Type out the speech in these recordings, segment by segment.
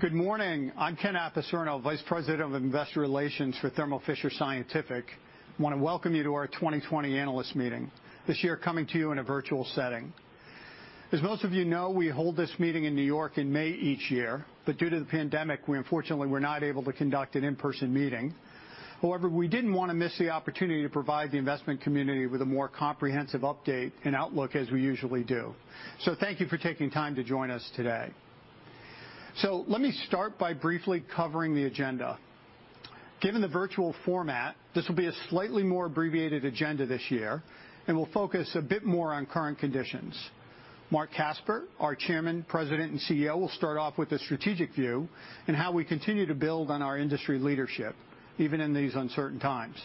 Good morning. I'm Ken Apicerno, Vice President of Investor Relations for Thermo Fisher Scientific. I want to welcome you to our 2020 analyst meeting, this year, coming to you in a virtual setting. As most of you know, we hold this meeting in New York in May each year. Due to the pandemic, we unfortunately were not able to conduct an in-person meeting. However, we didn't want to miss the opportunity to provide the investment community with a more comprehensive update and outlook as we usually do. Thank you for taking time to join us today. Let me start by briefly covering the agenda. Given the virtual format, this will be a slightly more abbreviated agenda this year, and we'll focus a bit more on current conditions. Marc Casper, our Chairman, President, and CEO, will start off with a strategic view and how we continue to build on our industry leadership, even in these uncertain times.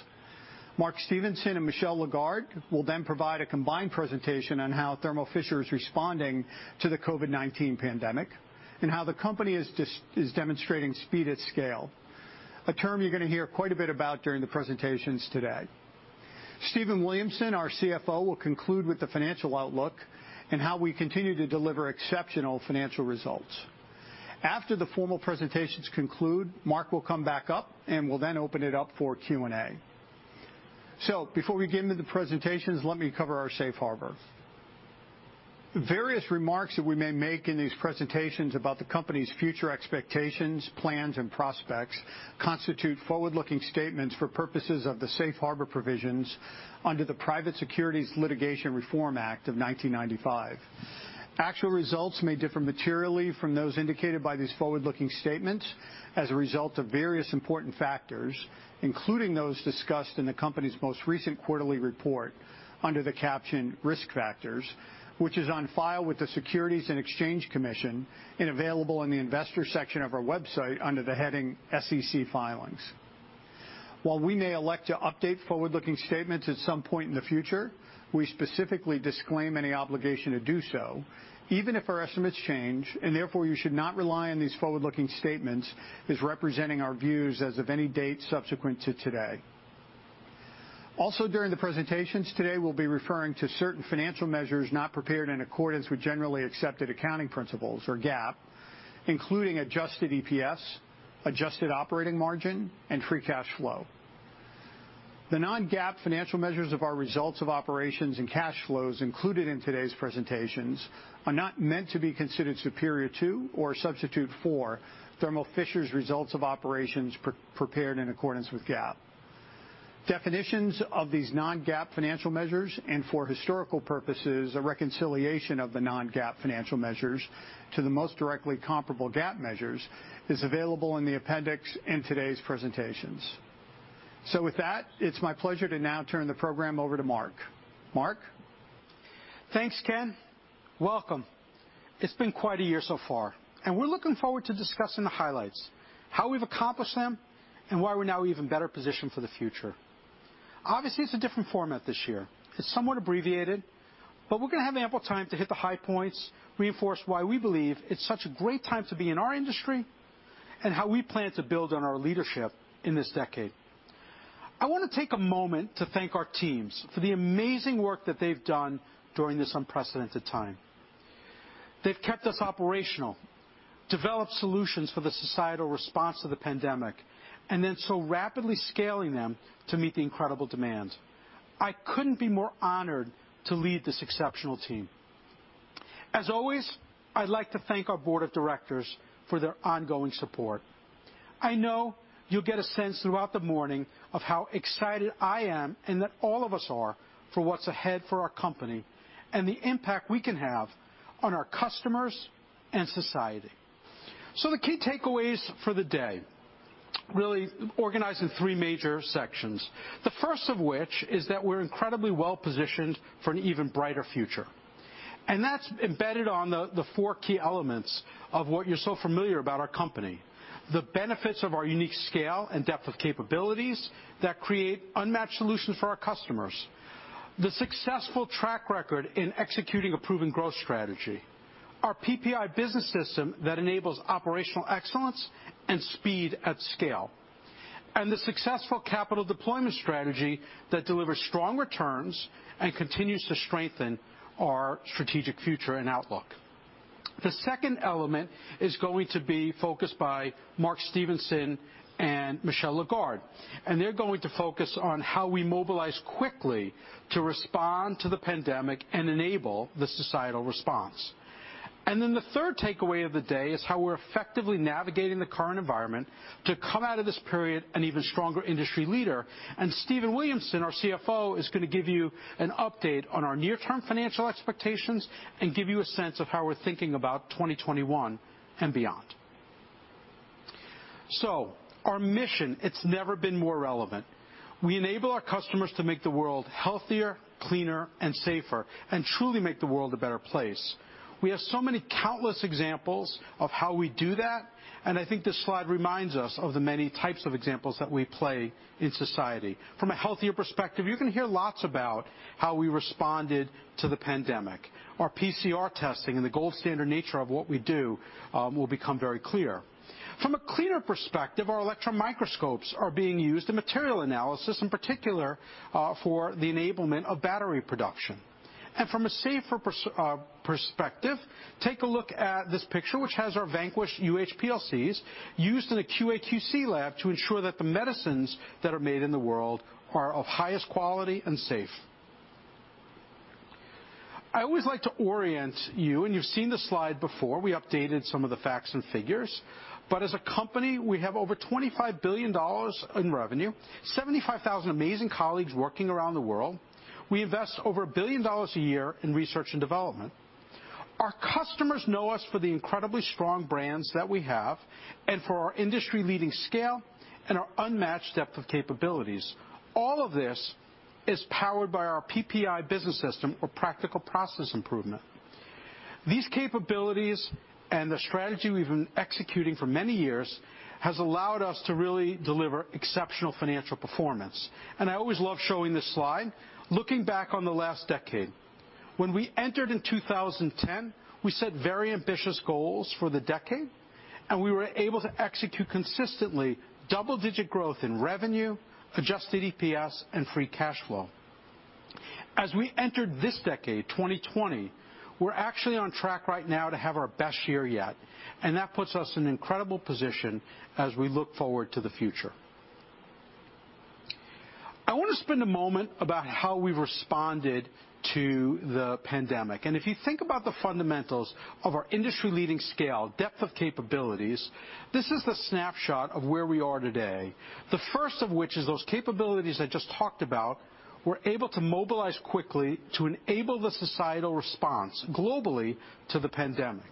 Mark Stevenson and Michel Lagarde will then provide a combined presentation on how Thermo Fisher is responding to the COVID-19 pandemic and how the company is demonstrating speed at scale, a term you're going to hear quite a bit about during the presentations today. Stephen Williamson, our CFO, will conclude with the financial outlook and how we continue to deliver exceptional financial results. After the formal presentations conclude, Marc will come back up, and we'll then open it up for Q&A. Before we get into the presentations, let me cover our safe harbor. Various remarks that we may make in these presentations about the company's future expectations, plans, and prospects constitute forward-looking statements for purposes of the safe harbor provisions under the Private Securities Litigation Reform Act of 1995. Actual results may differ materially from those indicated by these forward-looking statements as a result of various important factors, including those discussed in the company's most recent quarterly report under the caption "Risk Factors," which is on file with the Securities and Exchange Commission and available in the Investor section of our website under the heading SEC Filings. While we may elect to update forward-looking statements at some point in the future, we specifically disclaim any obligation to do so, even if our estimates change, and therefore, you should not rely on these forward-looking statements as representing our views as of any date subsequent to today. During the presentations today, we'll be referring to certain financial measures not prepared in accordance with Generally Accepted Accounting Principles, or GAAP, including adjusted EPS, adjusted operating margin, and free cash flow. The non-GAAP financial measures of our results of operations and cash flows included in today's presentations are not meant to be considered superior to or a substitute for Thermo Fisher's results of operations prepared in accordance with GAAP. Definitions of these non-GAAP financial measures and, for historical purposes, a reconciliation of the non-GAAP financial measures to the most directly comparable GAAP measures is available in the appendix in today's presentations. With that, it's my pleasure to now turn the program over to Marc. Marc? Thanks, Ken. Welcome. It's been quite a year so far. We're looking forward to discussing the highlights, how we've accomplished them, and why we're now even better positioned for the future. Obviously, it's a different format this year. It's somewhat abbreviated. We're going to have ample time to hit the high points, reinforce why we believe it's such a great time to be in our industry, and how we plan to build on our leadership in this decade. I want to take a moment to thank our teams for the amazing work that they've done during this unprecedented time. They've kept us operational, developed solutions for the societal response to the pandemic, then so rapidly scaling them to meet the incredible demands. I couldn't be more honored to lead this exceptional team. As always, I'd like to thank our board of directors for their ongoing support. I know you'll get a sense throughout the morning of how excited I am and that all of us are for what's ahead for our company and the impact we can have on our customers and society. The key takeaways for the day, really organized in three major sections. The first of which is that we're incredibly well-positioned for an even brighter future, and that's embedded on the four key elements of what you're so familiar about our company, the benefits of our unique scale and depth of capabilities that create unmatched solutions for our customers, the successful track record in executing a proven growth strategy, our PPI Business System that enables operational excellence and speed at scale, and the successful capital deployment strategy that delivers strong returns and continues to strengthen our strategic future and outlook. The second element is going to be focused by Mark Stevenson and Michel Lagarde, and they're going to focus on how we mobilize quickly to respond to the pandemic and enable the societal response. The third takeaway of the day is how we're effectively navigating the current environment to come out of this period an even stronger industry leader, and Stephen Williamson, our CFO, is going to give you an update on our near-term financial expectations and give you a sense of how we're thinking about 2021 and beyond. Our mission, it's never been more relevant. We enable our customers to make the world healthier, cleaner, and safer, and truly make the world a better place. We have so many countless examples of how we do that, and I think this slide reminds us of the many types of examples that we play in society. From a healthier perspective, you're going to hear lots about how we responded to the pandemic. Our PCR testing and the gold standard nature of what we do will become very clear. From a cleaner perspective, our electron microscopes are being used in material analysis, in particular, for the enablement of battery production. From a safer perspective, take a look at this picture, which has our Vanquish UHPLCs used in a QA/QC lab to ensure that the medicines that are made in the world are of highest quality and safe. I always like to orient you've seen this slide before. We updated some of the facts and figures. As a company, we have over $25 billion in revenue, 75,000 amazing colleagues working around the world. We invest over $1 billion a year in research and development. Our customers know us for the incredibly strong brands that we have, and for our industry-leading scale, and our unmatched depth of capabilities. All of this is powered by our PPI Business System, or Practical Process Improvement. These capabilities and the strategy we've been executing for many years, has allowed us to really deliver exceptional financial performance. I always love showing this slide. Looking back on the last decade, when we entered in 2010, we set very ambitious goals for the decade, and we were able to execute consistently double-digit growth in revenue, adjusted EPS, and free cash flow. As we entered this decade, 2020, we're actually on track right now to have our best year yet, and that puts us in an incredible position as we look forward to the future. I want to spend a moment about how we've responded to the pandemic. If you think about the fundamentals of our industry-leading scale, depth of capabilities, this is the snapshot of where we are today. The first of which is those capabilities I just talked about, we're able to mobilize quickly to enable the societal response globally to the pandemic.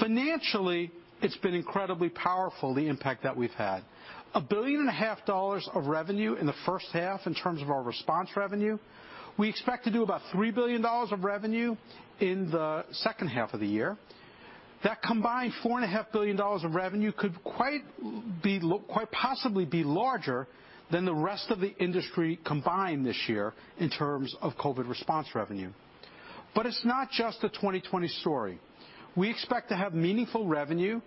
Financially, it's been incredibly powerful, the impact that we've had. A billion and a half dollars of revenue in the first half in terms of our response revenue. We expect to do about $3 billion of revenue in the second half of the year. That combined $4.5 billion of revenue could quite possibly be larger than the rest of the industry combined this year in terms of COVID response revenue. It's not just a 2020 story. We expect to have meaningful revenue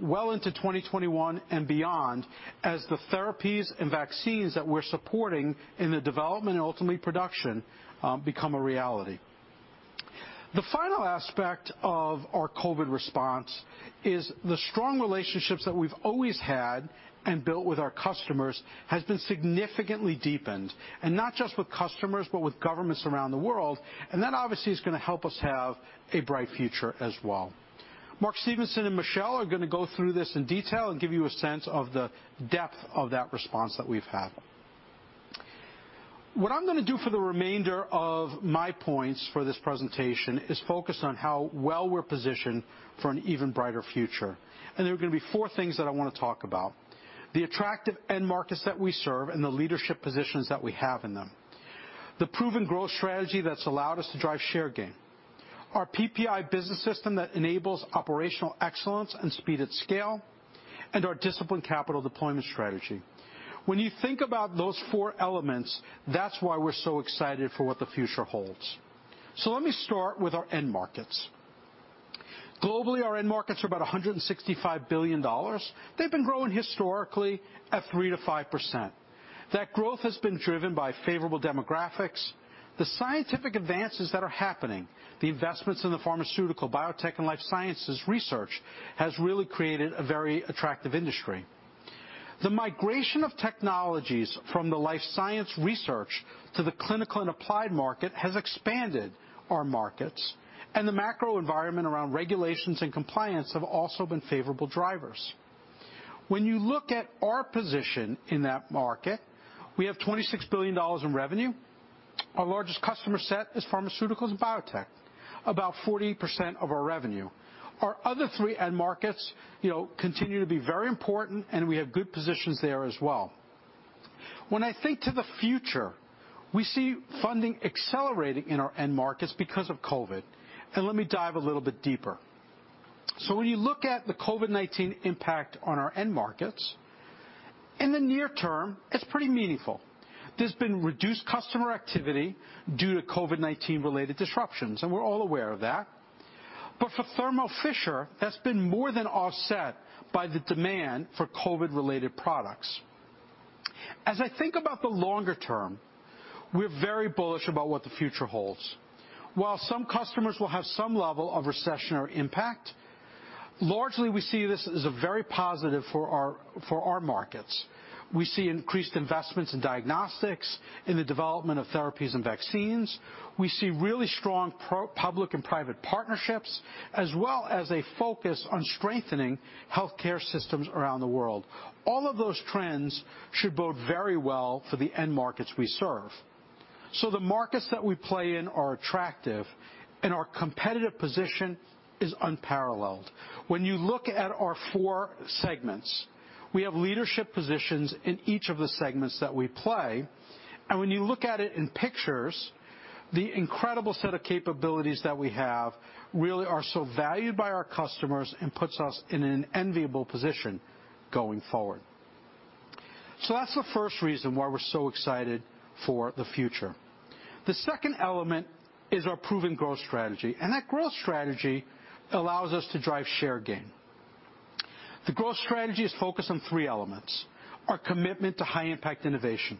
well into 2021 and beyond, as the therapies and vaccines that we're supporting in the development, and ultimately production, become a reality. The final aspect of our COVID response is the strong relationships that we've always had, and built with our customers, has been significantly deepened. Not just with customers, but with governments around the world. That obviously is going to help us have a bright future as well. Mark Stevenson and Michel are going to go through this in detail and give you a sense of the depth of that response that we've had. What I'm going to do for the remainder of my points for this presentation is focus on how well we're positioned for an even brighter future. There are going to be four things that I want to talk about. The attractive end markets that we serve and the leadership positions that we have in them. The proven growth strategy that's allowed us to drive share gain. Our PPI Business System that enables operational excellence and speed at scale, and our disciplined capital deployment strategy. When you think about those four elements, that's why we're so excited for what the future holds. Let me start with our end markets. Globally, our end markets are about $165 billion. They've been growing historically at 3%-5%. That growth has been driven by favorable demographics, the scientific advances that are happening, the investments in the pharmaceutical, biotech, and life sciences research has really created a very attractive industry. The migration of technologies from the life science research to the clinical and applied market has expanded our markets, and the macro environment around regulations and compliance have also been favorable drivers. You look at our position in that market, we have $26 billion in revenue. Our largest customer set is pharmaceuticals and biotech, about 48% of our revenue. Our other three end markets continue to be very important, we have good positions there as well. I think to the future, we see funding accelerating in our end markets because of COVID. Let me dive a little bit deeper. When you look at the COVID-19 impact on our end markets, in the near-term, it's pretty meaningful. There's been reduced customer activity due to COVID-19 related disruptions, and we're all aware of that. For Thermo Fisher, that's been more than offset by the demand for COVID-related products. As I think about the longer term, we're very bullish about what the future holds. While some customers will have some level of recessionary impact, largely, we see this as a very positive for our markets. We see increased investments in diagnostics, in the development of therapies and vaccines. We see really strong public and private partnerships, as well as a focus on strengthening healthcare systems around the world. All of those trends should bode very well for the end markets we serve. The markets that we play in are attractive, and our competitive position is unparalleled. When you look at our four segments, we have leadership positions in each of the segments that we play. When you look at it in pictures, the incredible set of capabilities that we have really are so valued by our customers and puts us in an enviable position going forward. That's the first reason why we're so excited for the future. The second element is our proven growth strategy, and that growth strategy allows us to drive share gain. The growth strategy is focused on three elements: our commitment to high-impact innovation,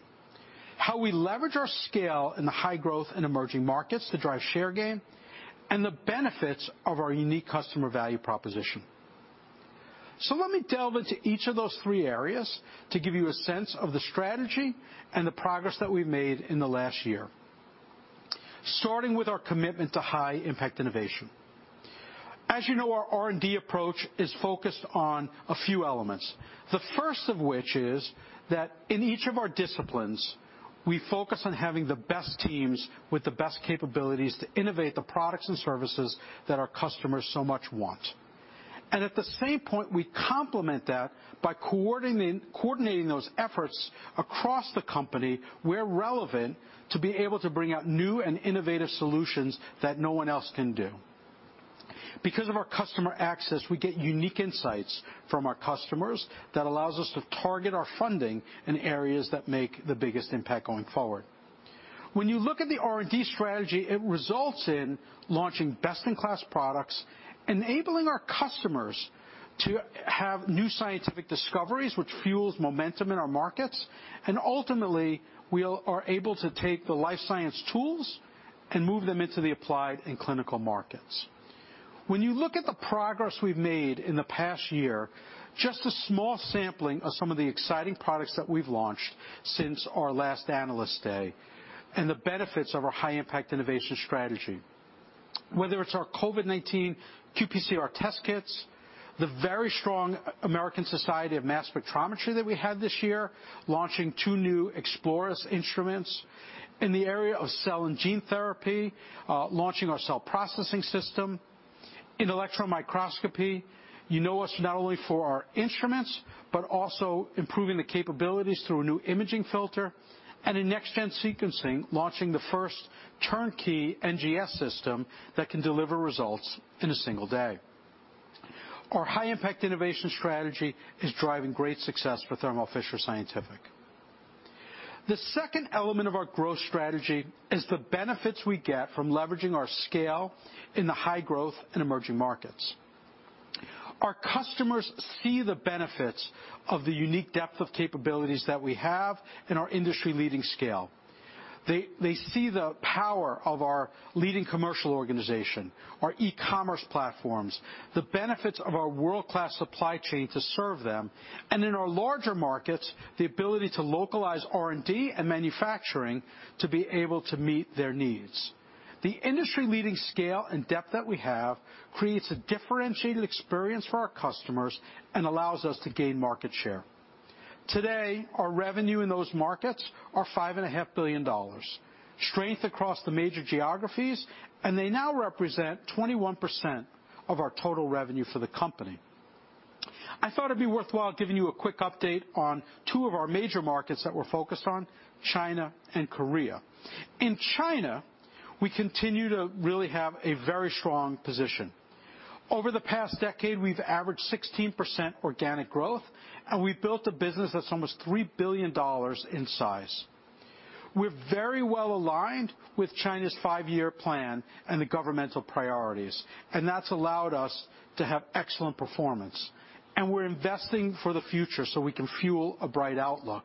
how we leverage our scale in the high-growth and emerging markets to drive share gain, and the benefits of our unique customer value proposition. Let me delve into each of those three areas to give you a sense of the strategy and the progress that we've made in the last year. Starting with our commitment to high-impact innovation. As you know, our R&D approach is focused on a few elements. The first of which is that in each of our disciplines, we focus on having the best teams with the best capabilities to innovate the products and services that our customers so much want. At the same point, we complement that by coordinating those efforts across the company where relevant to be able to bring out new and innovative solutions that no one else can do. Because of our customer access, we get unique insights from our customers that allows us to target our funding in areas that make the biggest impact going forward. When you look at the R&D strategy, it results in launching best-in-class products, enabling our customers to have new scientific discoveries, which fuels momentum in our markets, and ultimately, we are able to take the life science tools and move them into the applied and clinical markets. When you look at the progress we've made in the past year, just a small sampling of some of the exciting products that we've launched since our last Analyst Day, and the benefits of our high-impact innovation strategy. Whether it's our COVID-19 qPCR test kits, the very strong American Society for Mass Spectrometry that we had this year, launching two new Exploris instruments. In the area of cell and gene therapy, launching our cell processing system. In electron microscopy, you know us not only for our instruments, but also improving the capabilities through a new imaging filter. In next-gen sequencing, launching the first turnkey NGS system that can deliver results in a single day. Our high-impact innovation strategy is driving great success for Thermo Fisher Scientific. The second element of our growth strategy is the benefits we get from leveraging our scale in the high-growth and emerging markets. Our customers see the benefits of the unique depth of capabilities that we have in our industry-leading scale. They see the power of our leading commercial organization, our e-commerce platforms, the benefits of our world-class supply chain to serve them, and in our larger markets, the ability to localize R&D and manufacturing to be able to meet their needs. The industry-leading scale and depth that we have creates a differentiated experience for our customers and allows us to gain market share. Today, our revenue in those markets are $5.5 billion. Strength across the major geographies, and they now represent 21% of our total revenue for the company. I thought it'd be worthwhile giving you a quick update on two of our major markets that we're focused on, China and Korea. In China, we continue to really have a very strong position. Over the past decade, we've averaged 16% organic growth, and we've built a business that's almost $3 billion in size. We're very well aligned with China's five-year plan and the governmental priorities, and that's allowed us to have excellent performance, and we're investing for the future so we can fuel a bright outlook.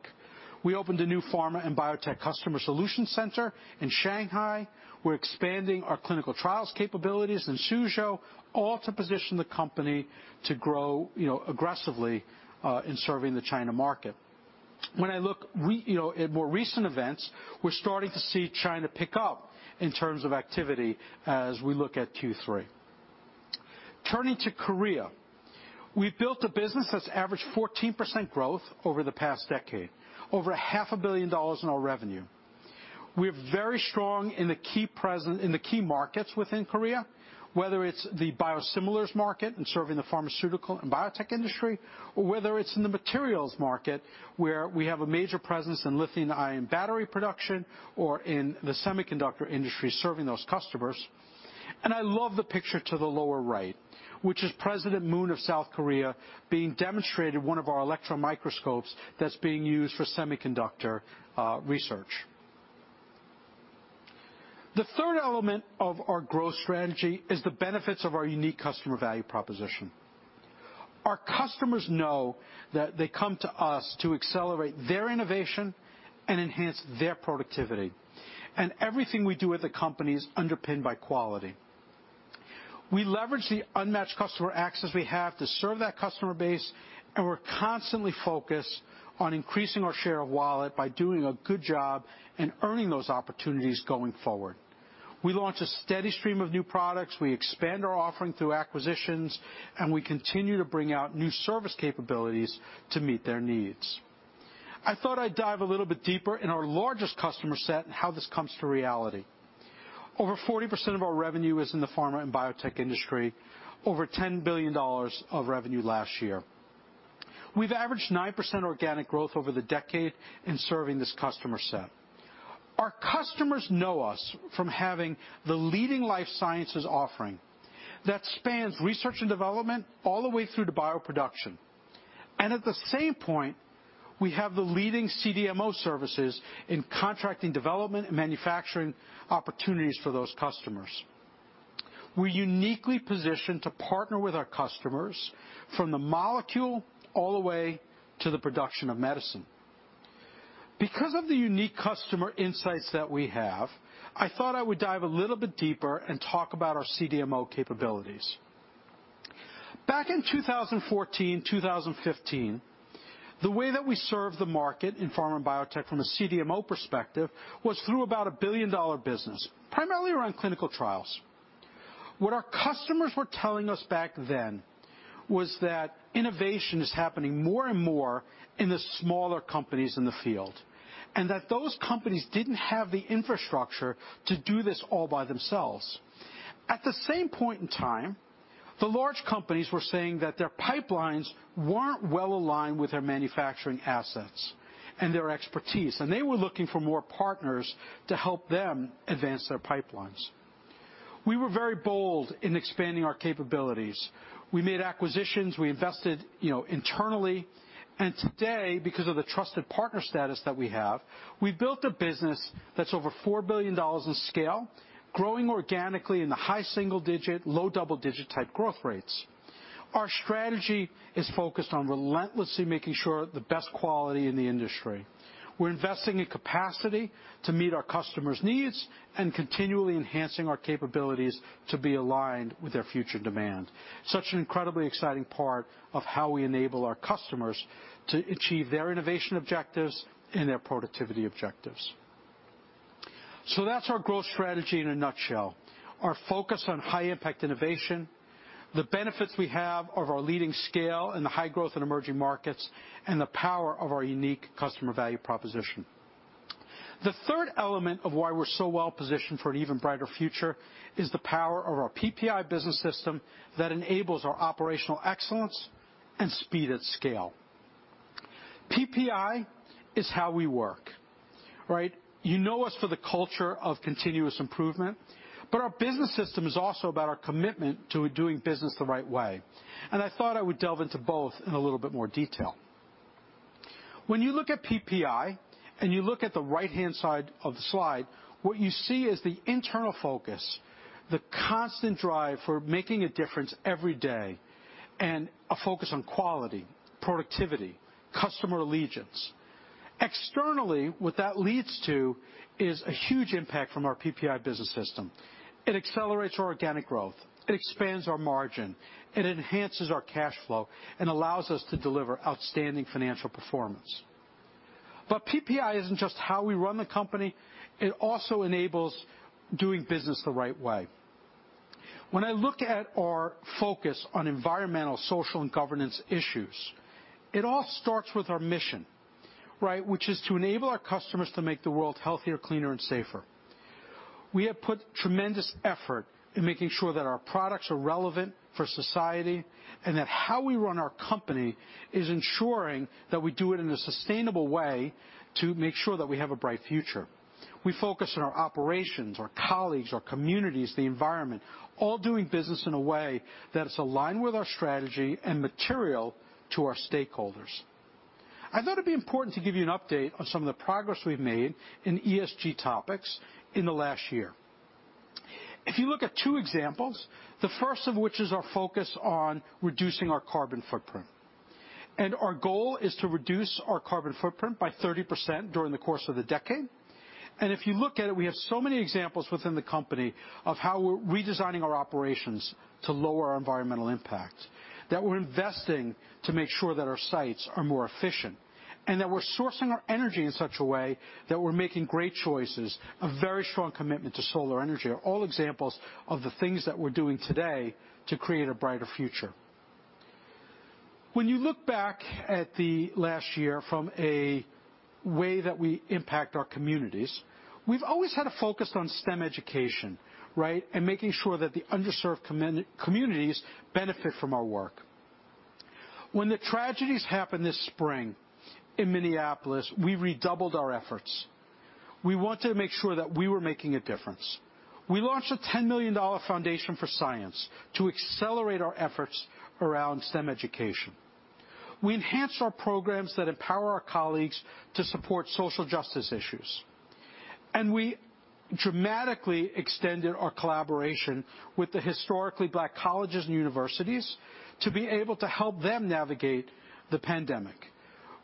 We opened a new pharma and biotech customer solution center in Shanghai. We're expanding our clinical trials capabilities in Suzhou, all to position the company to grow aggressively in serving the China market. When I look at more recent events, we're starting to see China pick up in terms of activity as we look at Q3. Turning to Korea. We've built a business that's averaged 14% growth over the past decade, over $500 million in our revenue. We're very strong in the key markets within Korea, whether it's the biosimilars market in serving the pharmaceutical and biotech industry, or whether it's in the materials market, where we have a major presence in lithium ion battery production or in the semiconductor industry serving those customers. I love the picture to the lower right, which is President Moon of South Korea being demonstrated one of our electron microscopes that's being used for semiconductor research. The third element of our growth strategy is the benefits of our unique customer value proposition. Our customers know that they come to us to accelerate their innovation and enhance their productivity. Everything we do at the company is underpinned by quality. We leverage the unmatched customer access we have to serve that customer base, and we're constantly focused on increasing our share of wallet by doing a good job in earning those opportunities going forward. We launch a steady stream of new products, we expand our offering through acquisitions, and we continue to bring out new service capabilities to meet their needs. I thought I'd dive a little bit deeper in our largest customer set and how this comes to reality. Over 40% of our revenue is in the pharma and biotech industry, over $10 billion of revenue last year. We've averaged 9% organic growth over the decade in serving this customer set. Our customers know us from having the leading life sciences offering that spans research and development all the way through to bioproduction. At the same point, we have the leading CDMO services in contracting development and manufacturing opportunities for those customers. We're uniquely positioned to partner with our customers from the molecule all the way to the production of medicine. Because of the unique customer insights that we have, I thought I would dive a little bit deeper and talk about our CDMO capabilities. Back in 2014, 2015, the way that we served the market in pharma and biotech from a CDMO perspective was through about a billion-dollar business, primarily around clinical trials. What our customers were telling us back then was that innovation is happening more and more in the smaller companies in the field, and that those companies didn't have the infrastructure to do this all by themselves. At the same point in time, the large companies were saying that their pipelines weren't well-aligned with their manufacturing assets and their expertise, and they were looking for more partners to help them advance their pipelines. We were very bold in expanding our capabilities. We made acquisitions, we invested internally, and today, because of the trusted partner status that we have, we've built a business that's over $4 billion in scale, growing organically in the high single digit, low double digit type growth rates. Our strategy is focused on relentlessly making sure the best quality in the industry. We're investing in capacity to meet our customers' needs and continually enhancing our capabilities to be aligned with their future demand. Such an incredibly exciting part of how we enable our customers to achieve their innovation objectives and their productivity objectives. That's our growth strategy in a nutshell, our focus on high impact innovation, the benefits we have of our leading scale and the high growth in emerging markets, and the power of our unique customer value proposition. The third element of why we're so well positioned for an even brighter future is the power of our PPI Business System that enables our operational excellence and speed at scale. PPI is how we work. You know us for the culture of continuous improvement, but our business system is also about our commitment to doing business the right way, and I thought I would delve into both in a little bit more detail. When you look at PPI and you look at the right-hand side of the slide, what you see is the internal focus, the constant drive for making a difference every day, and a focus on quality, productivity, customer allegiance. Externally, what that leads to is a huge impact from our PPI business system. It accelerates our organic growth, it expands our margin, it enhances our cash flow and allows us to deliver outstanding financial performance. PPI isn't just how we run the company, it also enables doing business the right way. When I look at our focus on environmental, social, and governance issues, it all starts with our mission, which is to enable our customers to make the world healthier, cleaner and safer. We have put tremendous effort in making sure that our products are relevant for society and that how we run our company is ensuring that we do it in a sustainable way to make sure that we have a bright future. We focus on our operations, our colleagues, our communities, the environment, all doing business in a way that is aligned with our strategy and material to our stakeholders. I thought it'd be important to give you an update on some of the progress we've made in ESG topics in the last year. If you look at two examples, the first of which is our focus on reducing our carbon footprint. Our goal is to reduce our carbon footprint by 30% during the course of the decade. If you look at it, we have so many examples within the company of how we're redesigning our operations to lower our environmental impact, that we're investing to make sure that our sites are more efficient, and that we're sourcing our energy in such a way that we're making great choices, a very strong commitment to solar energy, are all examples of the things that we're doing today to create a brighter future. When you look back at the last year from a way that we impact our communities, we've always had a focus on STEM education, and making sure that the underserved communities benefit from our work. When the tragedies happened this spring in Minneapolis, we redoubled our efforts. We wanted to make sure that we were making a difference. We launched a $10 million foundation for science to accelerate our efforts around STEM education. We enhanced our programs that empower our colleagues to support social justice issues. We dramatically extended our collaboration with the historically Black colleges and universities to be able to help them navigate the pandemic.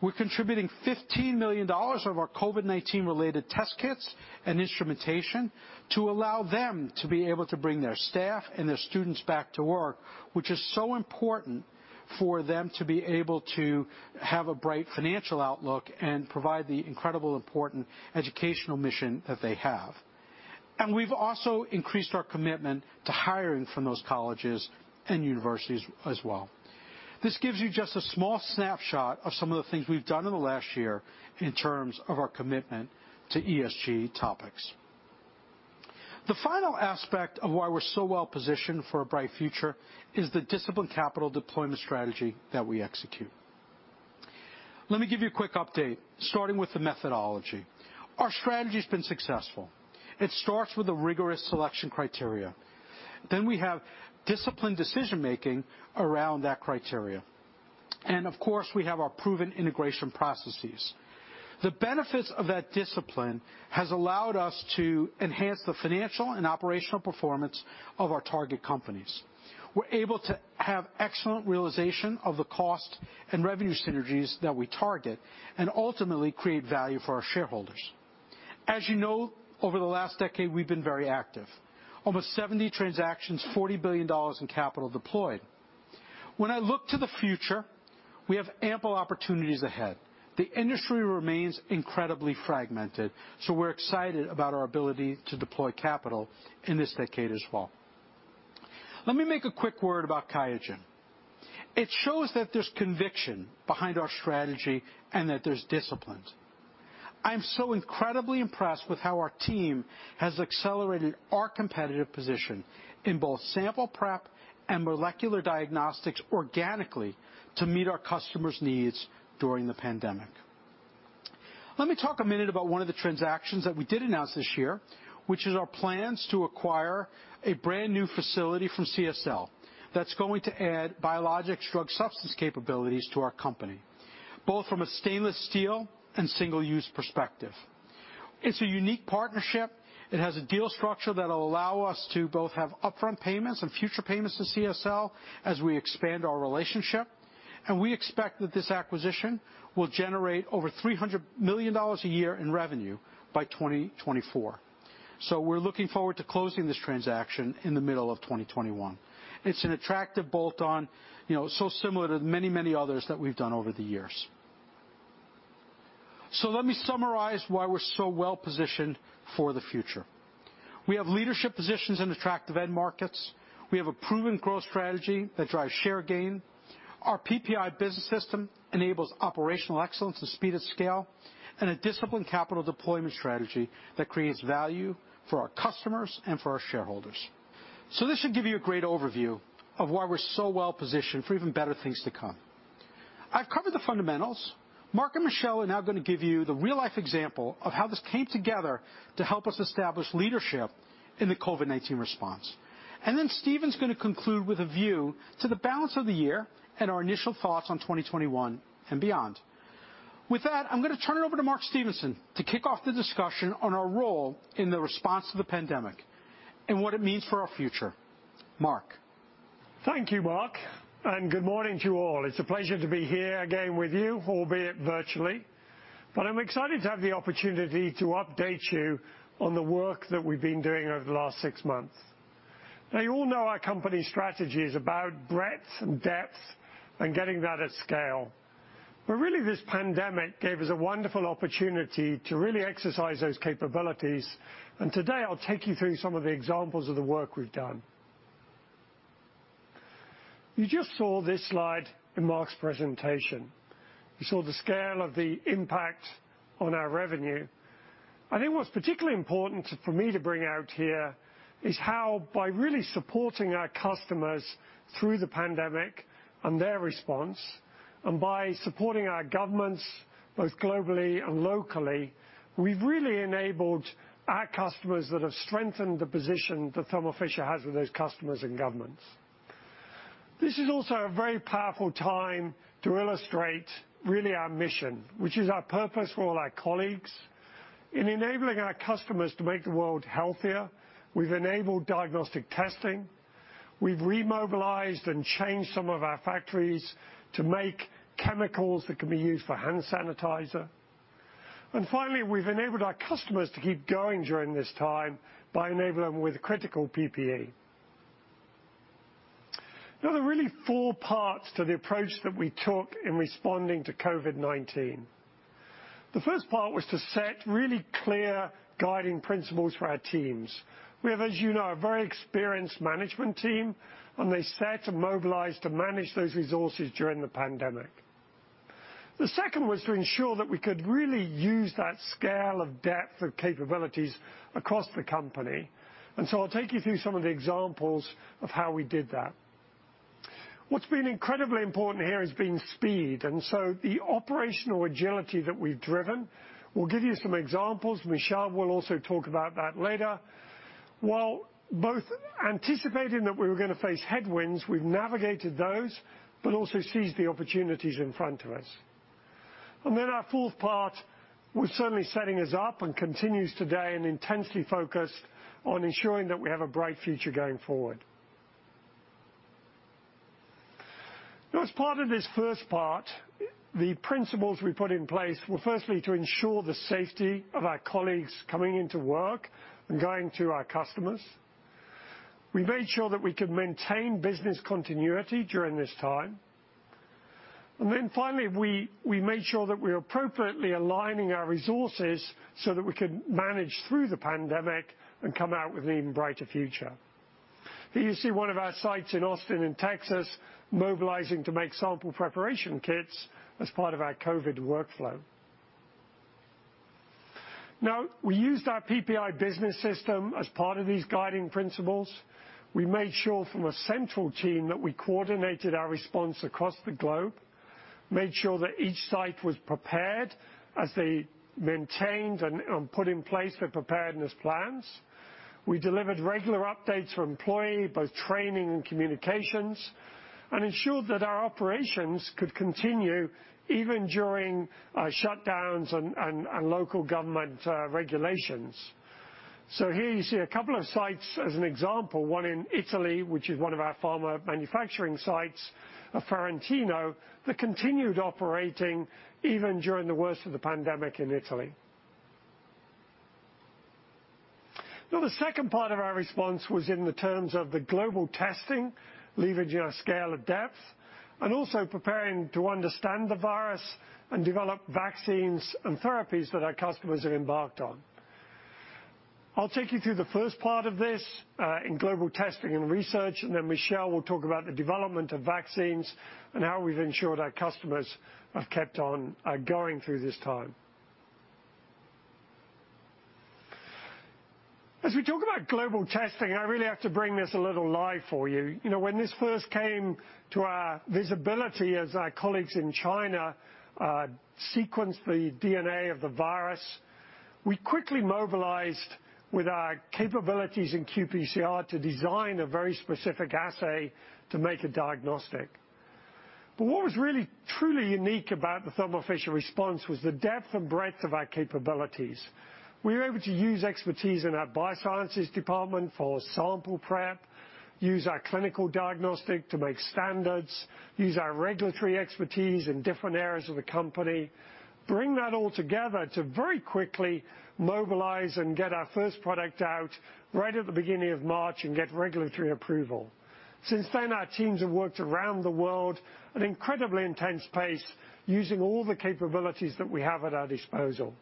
We're contributing $15 million of our COVID-19 related test kits and instrumentation to allow them to be able to bring their staff and their students back to work, which is so important for them to be able to have a bright financial outlook and provide the incredible, important educational mission that they have. We've also increased our commitment to hiring from those colleges and universities as well. This gives you just a small snapshot of some of the things we've done in the last year in terms of our commitment to ESG topics. The final aspect of why we're so well-positioned for a bright future is the disciplined capital deployment strategy that we execute. Let me give you a quick update, starting with the methodology. Our strategy's been successful. It starts with a rigorous selection criteria. We have disciplined decision-making around that criteria. Of course, we have our proven integration processes. The benefits of that discipline has allowed us to enhance the financial and operational performance of our target companies. We're able to have excellent realization of the cost and revenue synergies that we target, and ultimately create value for our shareholders. As you know, over the last decade, we've been very active. Almost 70 transactions, $40 billion in capital deployed. When I look to the future, we have ample opportunities ahead. The industry remains incredibly fragmented. We're excited about our ability to deploy capital in this decade as well. Let me make a quick word about QIAGEN. It shows that there's conviction behind our strategy and that there's discipline. I'm so incredibly impressed with how our team has accelerated our competitive position in both sample prep and molecular diagnostics organically to meet our customers' needs during the pandemic. Let me talk a minute about one of the transactions that we did announce this year, which is our plans to acquire a brand-new facility from CSL that's going to add biologics drug substance capabilities to our company, both from a stainless steel and single-use perspective. It's a unique partnership. It has a deal structure that'll allow us to both have upfront payments and future payments to CSL as we expand our relationship, and we expect that this acquisition will generate over $300 million a year in revenue by 2024. We're looking forward to closing this transaction in the middle of 2021. It's an attractive bolt-on, so similar to many, many others that we've done over the years. Let me summarize why we're so well-positioned for the future. We have leadership positions in attractive end markets. We have a proven growth strategy that drives share gain. Our PPI Business System enables operational excellence and speed at scale, and a disciplined capital deployment strategy that creates value for our customers and for our shareholders. This should give you a great overview of why we're so well-positioned for even better things to come. I've covered the fundamentals. Mark and Michel are now going to give you the real-life example of how this came together to help us establish leadership in the COVID-19 response. Stephen's going to conclude with a view to the balance of the year and our initial thoughts on 2021 and beyond. With that, I'm going to turn it over to Mark Stevenson to kick off the discussion on our role in the response to the pandemic and what it means for our future. Mark. Thank you, Mark, and good morning to you all. It's a pleasure to be here again with you, albeit virtually. I'm excited to have the opportunity to update you on the work that we've been doing over the last six months. Now, you all know our company strategy is about breadth and depth and getting that at scale, but really, this pandemic gave us a wonderful opportunity to really exercise those capabilities, and today, I'll take you through some of the examples of the work we've done. You just saw this slide in Marc's presentation. You saw the scale of the impact on our revenue. I think what's particularly important for me to bring out here is how, by really supporting our customers through the pandemic and their response, and by supporting our governments, both globally and locally, we've really enabled our customers that have strengthened the position that Thermo Fisher has with those customers and governments. This is also a very powerful time to illustrate really our mission, which is our purpose for all our colleagues. In enabling our customers to make the world healthier, we've enabled diagnostic testing, we've remobilized and changed some of our factories to make chemicals that can be used for hand sanitizer. Finally, we've enabled our customers to keep going during this time by enabling them with critical PPE. There are really four parts to the approach that we took in responding to COVID-19. The first part was to set really clear guiding principles for our teams. We have, as you know, a very experienced management team, they set and mobilized to manage those resources during the pandemic. The second was to ensure that we could really use that scale of depth of capabilities across the company, I'll take you through some of the examples of how we did that. What's been incredibly important here has been speed. The operational agility that we've driven, we'll give you some examples. Michel will also talk about that later. While both anticipating that we were going to face headwinds, we've navigated those, but also seized the opportunities in front of us. Our fourth part was certainly setting us up and continues today and intensely focused on ensuring that we have a bright future going forward. As part of this first part, the principles we put in place were firstly to ensure the safety of our colleagues coming into work and going to our customers. We made sure that we could maintain business continuity during this time. Finally, we made sure that we are appropriately aligning our resources so that we could manage through the pandemic and come out with an even brighter future. Here you see one of our sites in Austin in Texas mobilizing to make sample preparation kits as part of our COVID workflow. We used our PPI business system as part of these guiding principles. We made sure from a central team that we coordinated our response across the globe, made sure that each site was prepared as they maintained and put in place their preparedness plans. We delivered regular updates for employee, both training and communications, and ensured that our operations could continue even during shutdowns and local government regulations. Here you see a couple of sites as an example, one in Italy, which is one of our pharma manufacturing sites, at Ferentino, that continued operating even during the worst of the pandemic in Italy. The second part of our response was in the terms of the global testing, leveraging our scale of depth, and also preparing to understand the virus and develop vaccines and therapies that our customers have embarked on. I'll take you through the first part of this, in global testing and research, and then Michel will talk about the development of vaccines and how we've ensured our customers have kept on going through this time. We talk about global testing, I really have to bring this a little live for you. When this first came to our visibility as our colleagues in China sequenced the DNA of the virus, we quickly mobilized with our capabilities in qPCR to design a very specific assay to make a diagnostic. What was really truly unique about the Thermo Fisher response was the depth and breadth of our capabilities. We were able to use expertise in our biosciences department for sample prep, use our clinical diagnostic to make standards, use our regulatory expertise in different areas of the company, bring that all together to very quickly mobilize and get our first product out right at the beginning of March and get regulatory approval. Since then, our teams have worked around the world at an incredibly intense pace, using all the capabilities that we have at our disposal.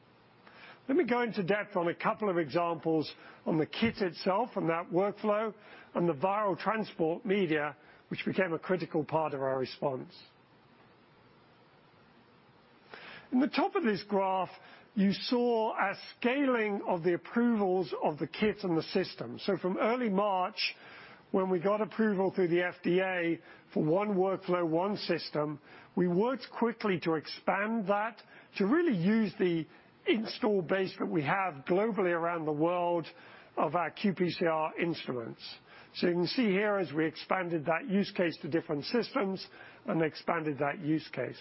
Let me go into depth on a couple of examples on the kit itself and that workflow, and the viral transport media, which became a critical part of our response. In the top of this graph, you saw a scaling of the approvals of the kit and the system. From early March, when we got approval through the FDA for one workflow, one system, we worked quickly to expand that to really use the install base that we have globally around the world of our qPCR instruments. You can see here as we expanded that use case to different systems and expanded that use case.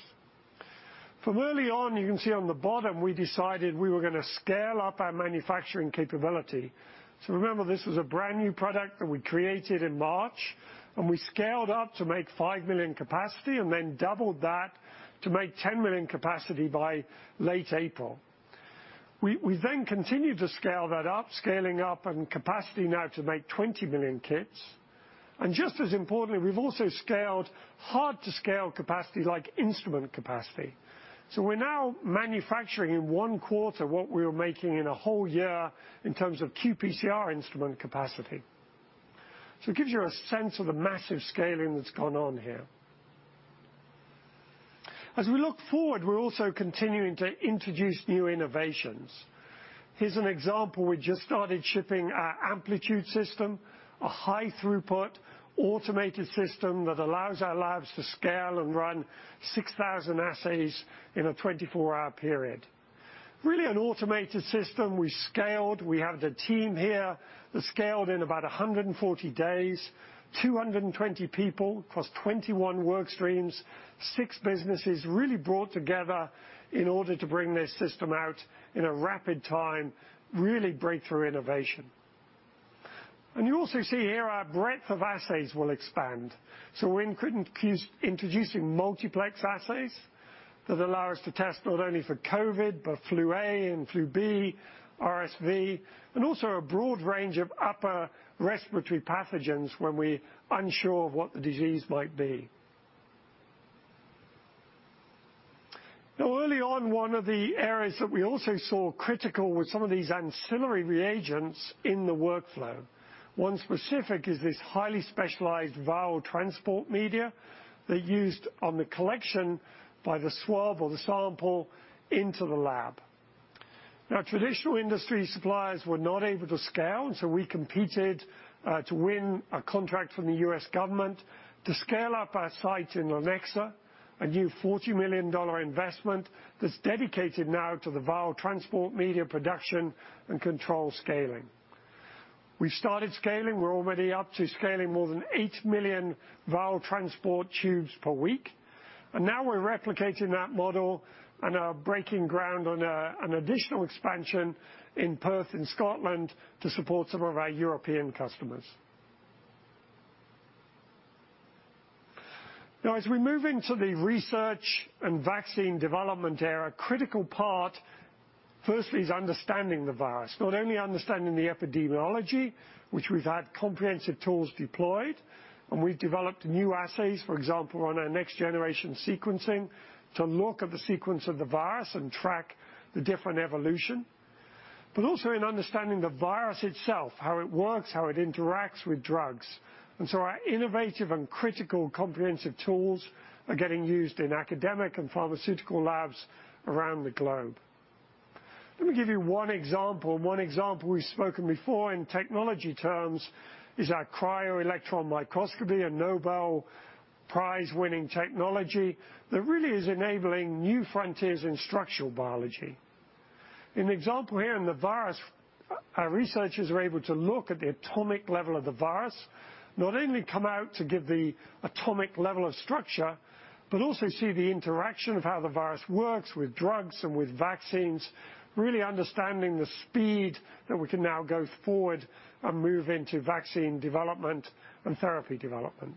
From early on, you can see on the bottom, we decided we were going to scale up our manufacturing capability. Remember, this was a brand-new product that we created in March, and we scaled up to make 5 million capacity and then doubled that to make 10 million capacity by late April. We continued to scale that up, scaling up and capacity now to make 20 million kits. Just as importantly, we've also scaled hard-to-scale capacity like instrument capacity. We're now manufacturing in one quarter what we were making in a whole year in terms of qPCR instrument capacity. It gives you a sense of the massive scaling that's gone on here. As we look forward, we're also continuing to introduce new innovations. Here's an example. We just started shipping our Amplitude system, a high-throughput automated system that allows our labs to scale and run 6,000 assays in a 24-hour period. Really an automated system. We scaled. We have the team here that scaled in about 140 days, 220 people across 21 work streams, six businesses really brought together in order to bring this system out in a rapid time, really breakthrough innovation. You also see here our breadth of assays will expand. We're introducing multiplex assays that allow us to test not only for COVID, but flu A and flu B, RSV, and also a broad range of upper respiratory pathogens when we're unsure of what the disease might be. Early on, one of the areas that we also saw critical were some of these ancillary reagents in the workflow. One specific is this highly specialized viral transport media they used on the collection by the swab of the sample into the lab. Traditional industry suppliers were not able to scale, we competed to win a contract from the U.S. government to scale up our site in Lenexa, a new $40 million investment that's dedicated now to the viral transport media production and control scaling. We started scaling. We're already up to scaling more than 8 million viral transport tubes per week, we're replicating that model and are breaking ground on an additional expansion in Perth in Scotland to support some of our European customers. As we move into the research and vaccine development area, a critical part, firstly, is understanding the virus. Not only understanding the epidemiology, which we've had comprehensive tools deployed. We've developed new assays, for example, on our next-generation sequencing to look at the sequence of the virus and track the different evolution, but also in understanding the virus itself, how it works, how it interacts with drugs. Our innovative and critical comprehensive tools are getting used in academic and pharmaceutical labs around the globe. Let me give you one example. One example we've spoken before in technology terms is our cryo-electron microscopy, a Nobel Prize-winning technology that really is enabling new frontiers in structural biology. In the example here in the virus, our researchers are able to look at the atomic level of the virus, not only come out to give the atomic level of structure, but also see the interaction of how the virus works with drugs and with vaccines, really understanding the speed that we can now go forward and move into vaccine development and therapy development.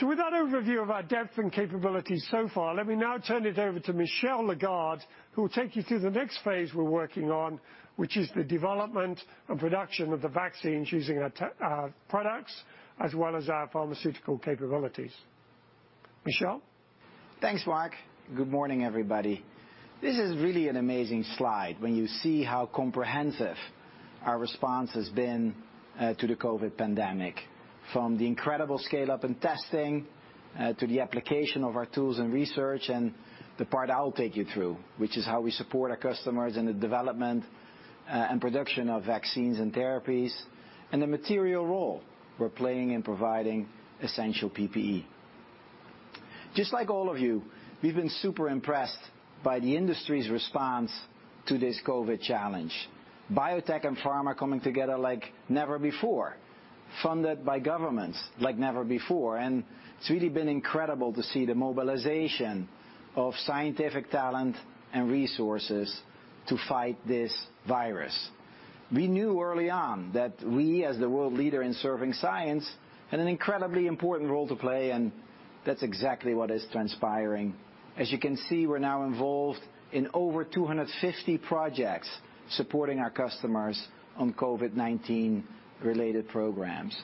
With that overview of our depth and capabilities so far, let me now turn it over to Michel Lagarde, who will take you through the next phase we're working on, which is the development and production of the vaccines using our tech, our products, as well as our pharmaceutical capabilities. Michel? Thanks, Mark. Good morning, everybody. This is really an amazing slide when you see how comprehensive our response has been to the COVID pandemic, from the incredible scale-up in testing, to the application of our tools and research, and the part I'll take you through, which is how we support our customers in the development and production of vaccines and therapies, and the material role we're playing in providing essential PPE. Just like all of you, we've been super impressed by the industry's response to this COVID challenge. Biotech and pharma coming together like never before, funded by governments like never before, it's really been incredible to see the mobilization of scientific talent and resources to fight this virus. We knew early on that we, as the world leader in serving science, had an incredibly important role to play, that's exactly what is transpiring. As you can see, we're now involved in over 250 projects supporting our customers on COVID-19-related programs.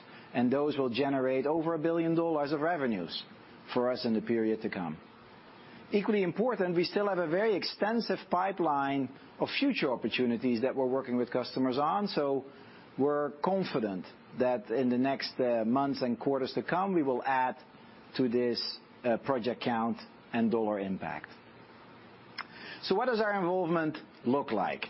Those will generate over $1 billion of revenues for us in the period to come. Equally important, we still have a very extensive pipeline of future opportunities that we're working with customers on, we're confident that in the next months and quarters to come, we will add to this project count and dollar impact. What does our involvement look like?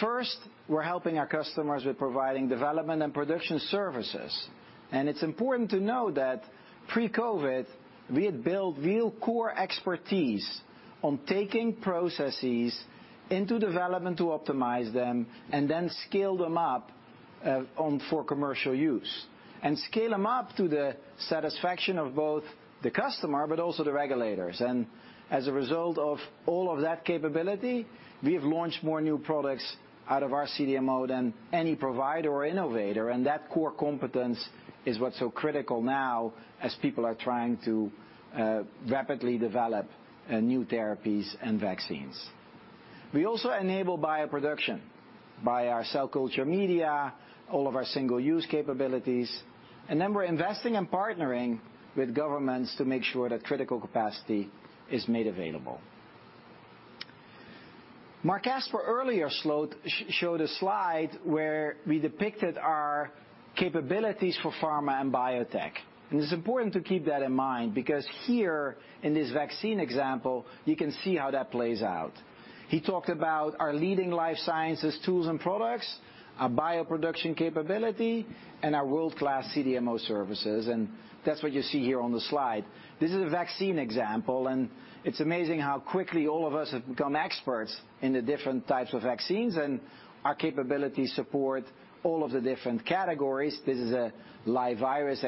First, we're helping our customers with providing development and production services, and it's important to know that pre-COVID, we had built real core expertise on taking processes into development to optimize them and then scale them up on for commercial use, and scale them up to the satisfaction of both the customer but also the regulators. As a result of all of that capability, we have launched more new products out of our CDMO than any provider or innovator. That core competence is what's so critical now as people are trying to rapidly develop new therapies and vaccines. We also enable bioproduction by our cell culture media, all of our single-use capabilities. We're investing and partnering with governments to make sure that critical capacity is made available. Marc Casper earlier showed a slide where we depicted our capabilities for pharma and biotech. It's important to keep that in mind because here in this vaccine example, you can see how that plays out. He talked about our leading life sciences tools and products, our bioproduction capability, and our world-class CDMO services. That's what you see here on the slide. This is a vaccine example, and it's amazing how quickly all of us have become experts in the different types of vaccines and our capabilities support all of the different categories. This is a live virus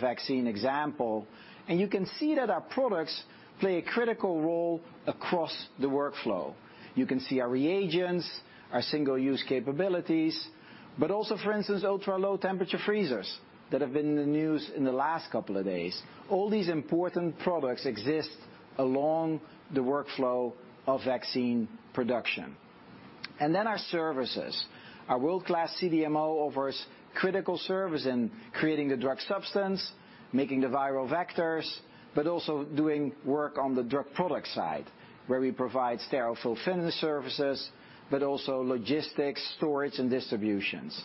vaccine example, and you can see that our products play a critical role across the workflow. You can see our reagents, our single-use capabilities, but also, for instance, ultra-low temperature freezers that have been in the news in the last couple of days. All these important products exist along the workflow of vaccine production. Our services. Our world-class CDMO offers critical service in creating the drug substance, making the viral vectors, but also doing work on the drug product side, where we provide sterile fill finish services, but also logistics, storage, and distributions.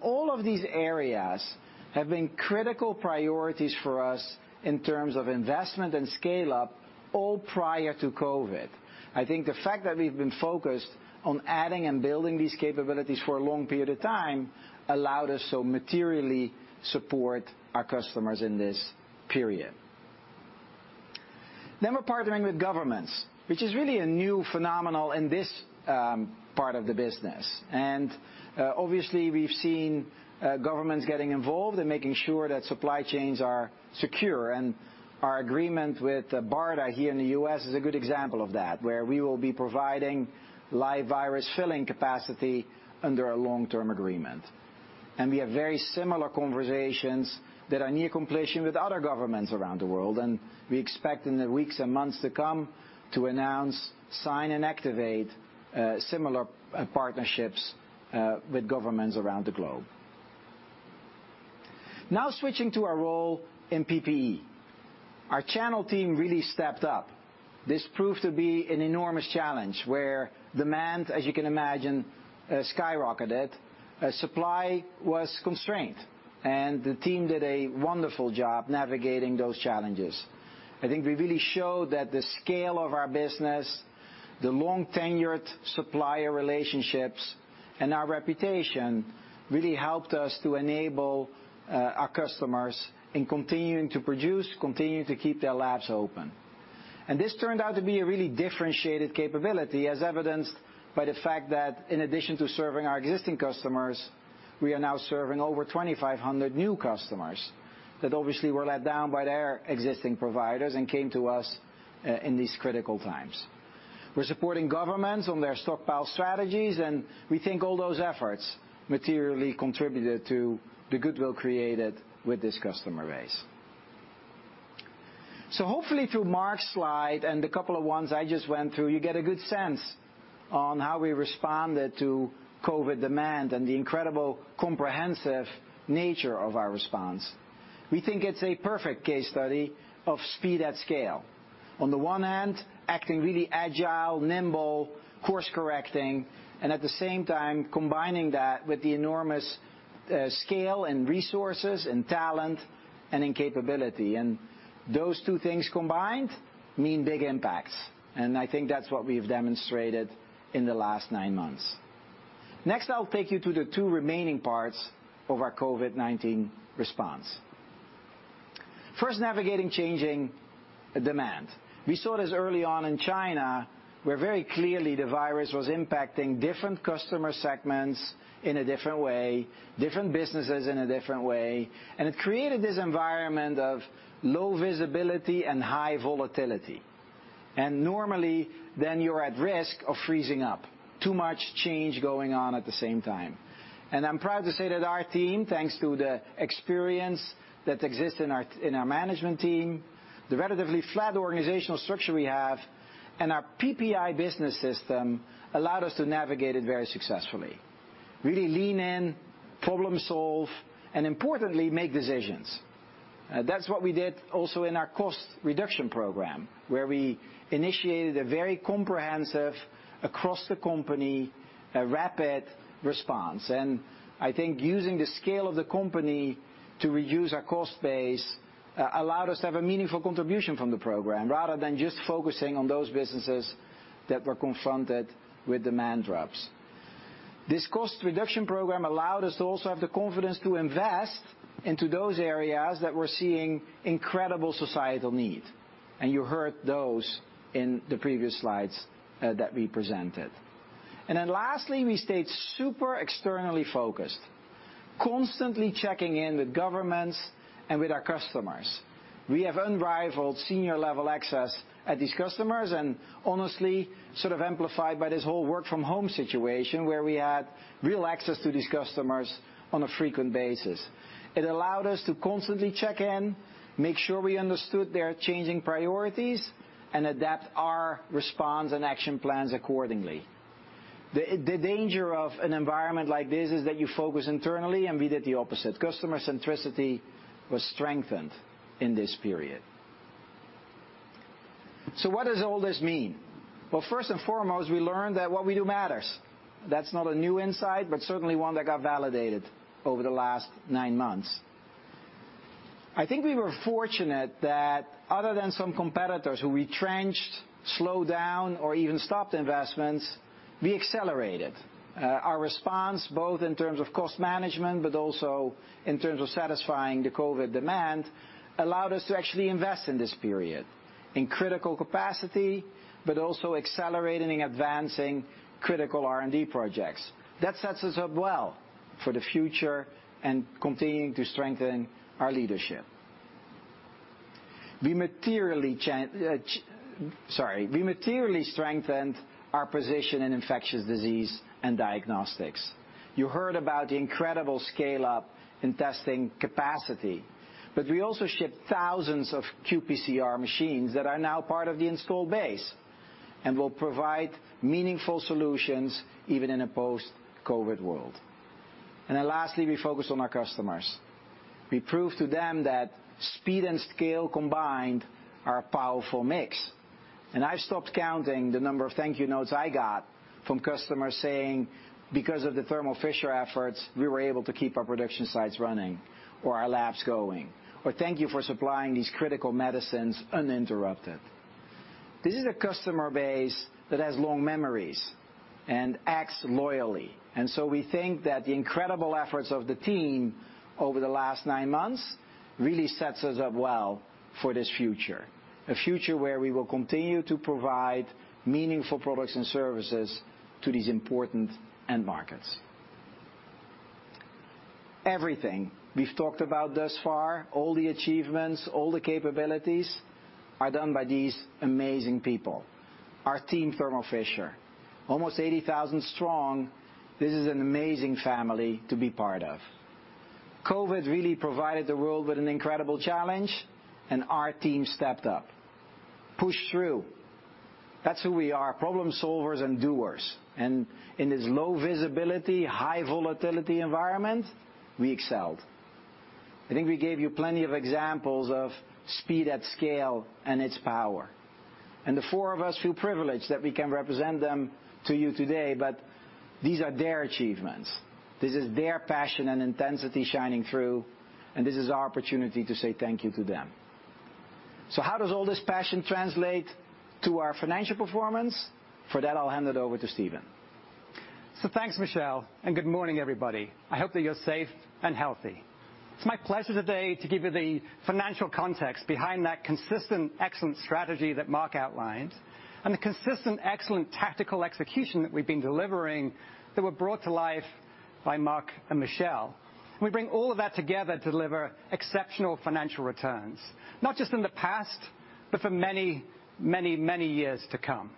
All of these areas have been critical priorities for us in terms of investment and scale-up all prior to COVID. I think the fact that we've been focused on adding and building these capabilities for a long period of time allowed us so materially support our customers in this period. We're partnering with governments, which is really a new phenomenon in this part of the business. Obviously, we've seen governments getting involved and making sure that supply chains are secure, and our agreement with BARDA here in the U.S. is a good example of that, where we will be providing live virus filling capacity under a long-term agreement. We have very similar conversations that are near completion with other governments around the world, and we expect in the weeks and months to come to announce, sign, and activate similar partnerships with governments around the globe. Now switching to our role in PPE. Our channel team really stepped up. This proved to be an enormous challenge where demand, as you can imagine, skyrocketed. Supply was constrained, and the team did a wonderful job navigating those challenges. I think we really showed that the scale of our business, the long-tenured supplier relationships, and our reputation really helped us to enable our customers in continuing to produce, continue to keep their labs open. This turned out to be a really differentiated capability, as evidenced by the fact that in addition to serving our existing customers, we are now serving over 2,500 new customers that obviously were let down by their existing providers and came to us in these critical times. We're supporting governments on their stockpile strategies, and we think all those efforts materially contributed to the goodwill created with this customer base. Hopefully through Mark's slide and a couple of ones I just went through, you get a good sense on how we responded to COVID-19 demand and the incredible comprehensive nature of our response. We think it's a perfect case study of speed at scale. On the one hand, acting really agile, nimble, course-correcting, and at the same time combining that with the enormous scale and resources and talent and capability. Those two things combined mean big impacts, and I think that's what we've demonstrated in the last nine months. Next, I'll take you to the two remaining parts of our COVID-19 response. First, navigating changing demand. We saw this early on in China, where very clearly the virus was impacting different customer segments in a different way, different businesses in a different way, and it created this environment of low visibility and high volatility. Normally then you're at risk of freezing up. Too much change going on at the same time. I'm proud to say that our team, thanks to the experience that exists in our management team, the relatively flat organizational structure we have, and our PPI business system allowed us to navigate it very successfully. Really lean in, problem-solve, and importantly, make decisions. That's what we did also in our cost reduction program, where we initiated a very comprehensive, across the company, rapid response. I think using the scale of the company to reduce our cost base allowed us to have a meaningful contribution from the program, rather than just focusing on those businesses that were confronted with demand drops. This cost reduction program allowed us to also have the confidence to invest into those areas that were seeing incredible societal need, and you heard those in the previous slides that we presented. Lastly, we stayed super externally focused, constantly checking in with governments and with our customers. We have unrivaled senior level access at these customers and honestly, sort of amplified by this whole work from home situation where we had real access to these customers on a frequent basis. It allowed us to constantly check in, make sure we understood their changing priorities, and adapt our response and action plans accordingly. The danger of an environment like this is that you focus internally, and we did the opposite. Customer centricity was strengthened in this period. What does all this mean? Well, first and foremost, we learned that what we do matters. That's not a new insight, but certainly one that got validated over the last nine months. I think we were fortunate that other than some competitors who retrenched, slowed down, or even stopped investments, we accelerated. Our response, both in terms of cost management, but also in terms of satisfying the COVID demand, allowed us to actually invest in this period in critical capacity, but also accelerating, advancing critical R&D projects. That sets us up well for the future and continuing to strengthen our leadership. We materially strengthened our position in infectious disease and diagnostics. You heard about the incredible scale-up in testing capacity, but we also shipped thousands of qPCR machines that are now part of the installed base and will provide meaningful solutions even in a post-COVID world. Lastly, we focused on our customers. We proved to them that speed and scale combined are a powerful mix. I've stopped counting the number of thank you notes I got from customers saying, "Because of the Thermo Fisher efforts, we were able to keep our production sites running or our labs going," or, "Thank you for supplying these critical medicines uninterrupted." This is a customer base that has long memories and acts loyally. We think that the incredible efforts of the team over the last nine months really sets us up well for this future, a future where we will continue to provide meaningful products and services to these important end markets. Everything we've talked about thus far, all the achievements, all the capabilities, are done by these amazing people, our team, Thermo Fisher. Almost 80,000 strong, this is an amazing family to be part of. COVID really provided the world with an incredible challenge, and our team stepped up, pushed through. That's who we are, problem solvers and doers. In this low visibility, high volatility environment, we excelled. I think we gave you plenty of examples of speed at scale and its power. The four of us feel privileged that we can represent them to you today, but these are their achievements. This is their passion and intensity shining through, this is our opportunity to say thank you to them. How does all this passion translate to our financial performance? For that, I'll hand it over to Stephen. Thanks, Michel, and good morning, everybody. I hope that you're safe and healthy. It's my pleasure today to give you the financial context behind that consistent excellent strategy that Marc outlined and the consistent excellent tactical execution that we've been delivering that were brought to life by Mark and Michel. We bring all of that together to deliver exceptional financial returns, not just in the past, but for many years to come.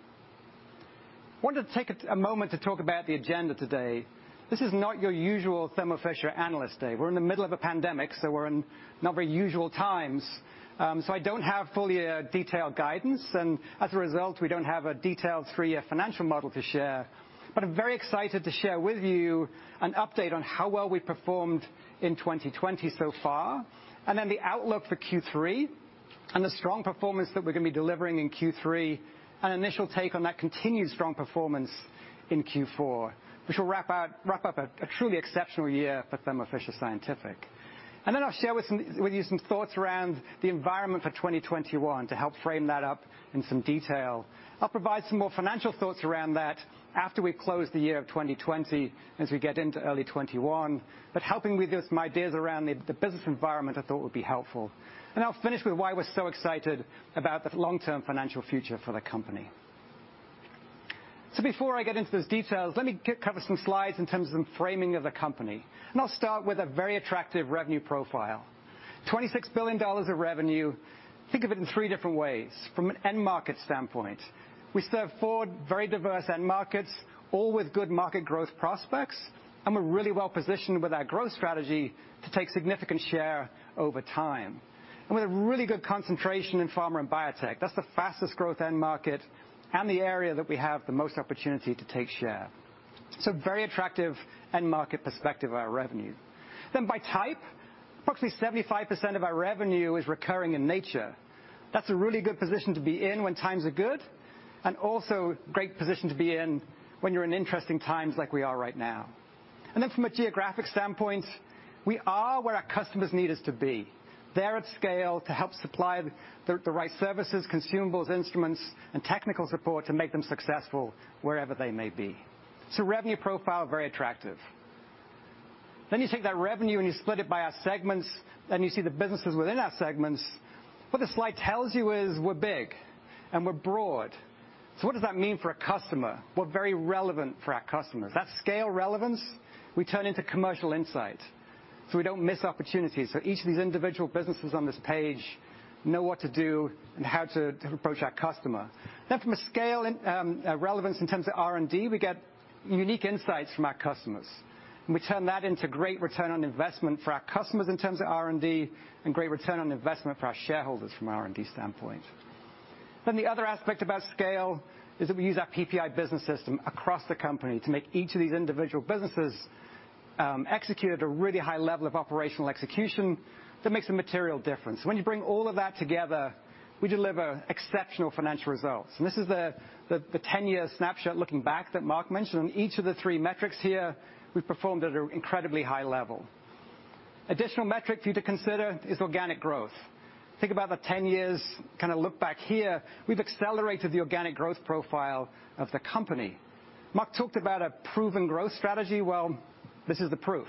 Wanted to take a moment to talk about the agenda today. This is not your usual Thermo Fisher Analyst Day. We're in the middle of a pandemic. We're in not very usual times. I don't have fully a detailed guidance, and as a result, we don't have a detailed three-year financial model to share. I'm very excited to share with you an update on how well we've performed in 2020 so far, and then the outlook for Q3 and the strong performance that we're going to be delivering in Q3, an initial take on that continued strong performance in Q4, which will wrap up a truly exceptional year for Thermo Fisher Scientific. I'll share with you some thoughts around the environment for 2021 to help frame that up in some detail. I'll provide some more financial thoughts around that after we close the year of 2020 as we get into early 2021. Helping with just my ideas around the business environment I thought would be helpful. I'll finish with why we're so excited about the long-term financial future for the company. Before I get into those details, let me cover some slides in terms of the framing of the company. I'll start with a very attractive revenue profile. $26 billion of revenue. Think of it in 3 different ways. From an end market standpoint, we serve four very diverse end markets, all with good market growth prospects, and we're really well-positioned with our growth strategy to take significant share over time. With a really good concentration in pharma and biotech. That's the fastest growth end market and the area that we have the most opportunity to take share. Very attractive end market perspective of our revenue. By type, approximately 75% of our revenue is recurring in nature. That's a really good position to be in when times are good, and also great position to be in when you're in interesting times like we are right now. From a geographic standpoint, we are where our customers need us to be. There at scale to help supply the right services, consumables, instruments, and technical support to make them successful wherever they may be. Revenue profile, very attractive. You take that revenue and you split it by our segments, and you see the businesses within our segments. What the slide tells you is we're big and we're broad. What does that mean for a customer? We're very relevant for our customers. That scale relevance, we turn into commercial insight so we don't miss opportunities. Each of these individual businesses on this page know what to do and how to approach our customer. From a scale relevance in terms of R&D, we get unique insights from our customers, and we turn that into great return on investment for our customers in terms of R&D and great return on investment for our shareholders from an R&D standpoint. The other aspect about scale is that we use our PPI business system across the company to make each of these individual businesses execute at a really high level of operational execution that makes a material difference. When you bring all of that together, we deliver exceptional financial results. This is the 10-year snapshot looking back that Marc mentioned. In each of the three metrics here, we've performed at an incredibly high level. Additional metric for you to consider is organic growth. Think about the 10 years kind of look back here. We've accelerated the organic growth profile of the company. Marc talked about a proven growth strategy. Well, this is the proof.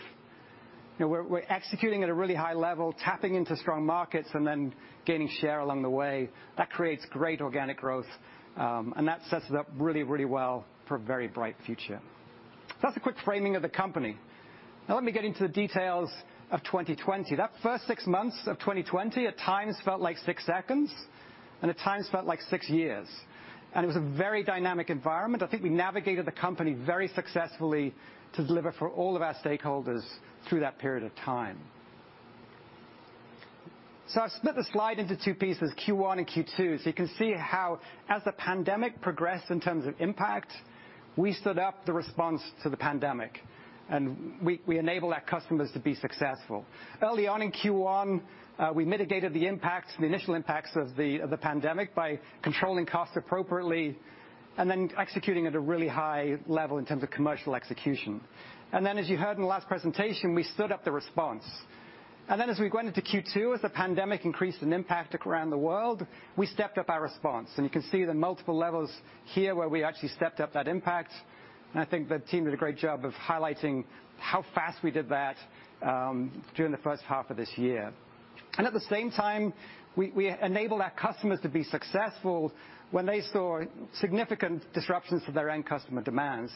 We're executing at a really high level, tapping into strong markets, and then gaining share along the way. That creates great organic growth, and that sets it up really well for a very bright future. That's a quick framing of the company. Now let me get into the details of 2020. That first six months of 2020 at times felt like six seconds, and at times felt like six years. It was a very dynamic environment. I think we navigated the company very successfully to deliver for all of our stakeholders through that period of time. I've split the slide into two pieces, Q1 and Q2, so you can see how as the pandemic progressed in terms of impact, we stood up the response to the pandemic, and we enabled our customers to be successful. Early on in Q1, we mitigated the initial impacts of the pandemic by controlling costs appropriately and then executing at a really high level in terms of commercial execution. As you heard in the last presentation, we stood up the response. As we went into Q2, as the pandemic increased in impact around the world, we stepped up our response. You can see the multiple levels here where we actually stepped up that impact. I think the team did a great job of highlighting how fast we did that during the first half of this year. At the same time, we enabled our customers to be successful when they saw significant disruptions to their end customer demands.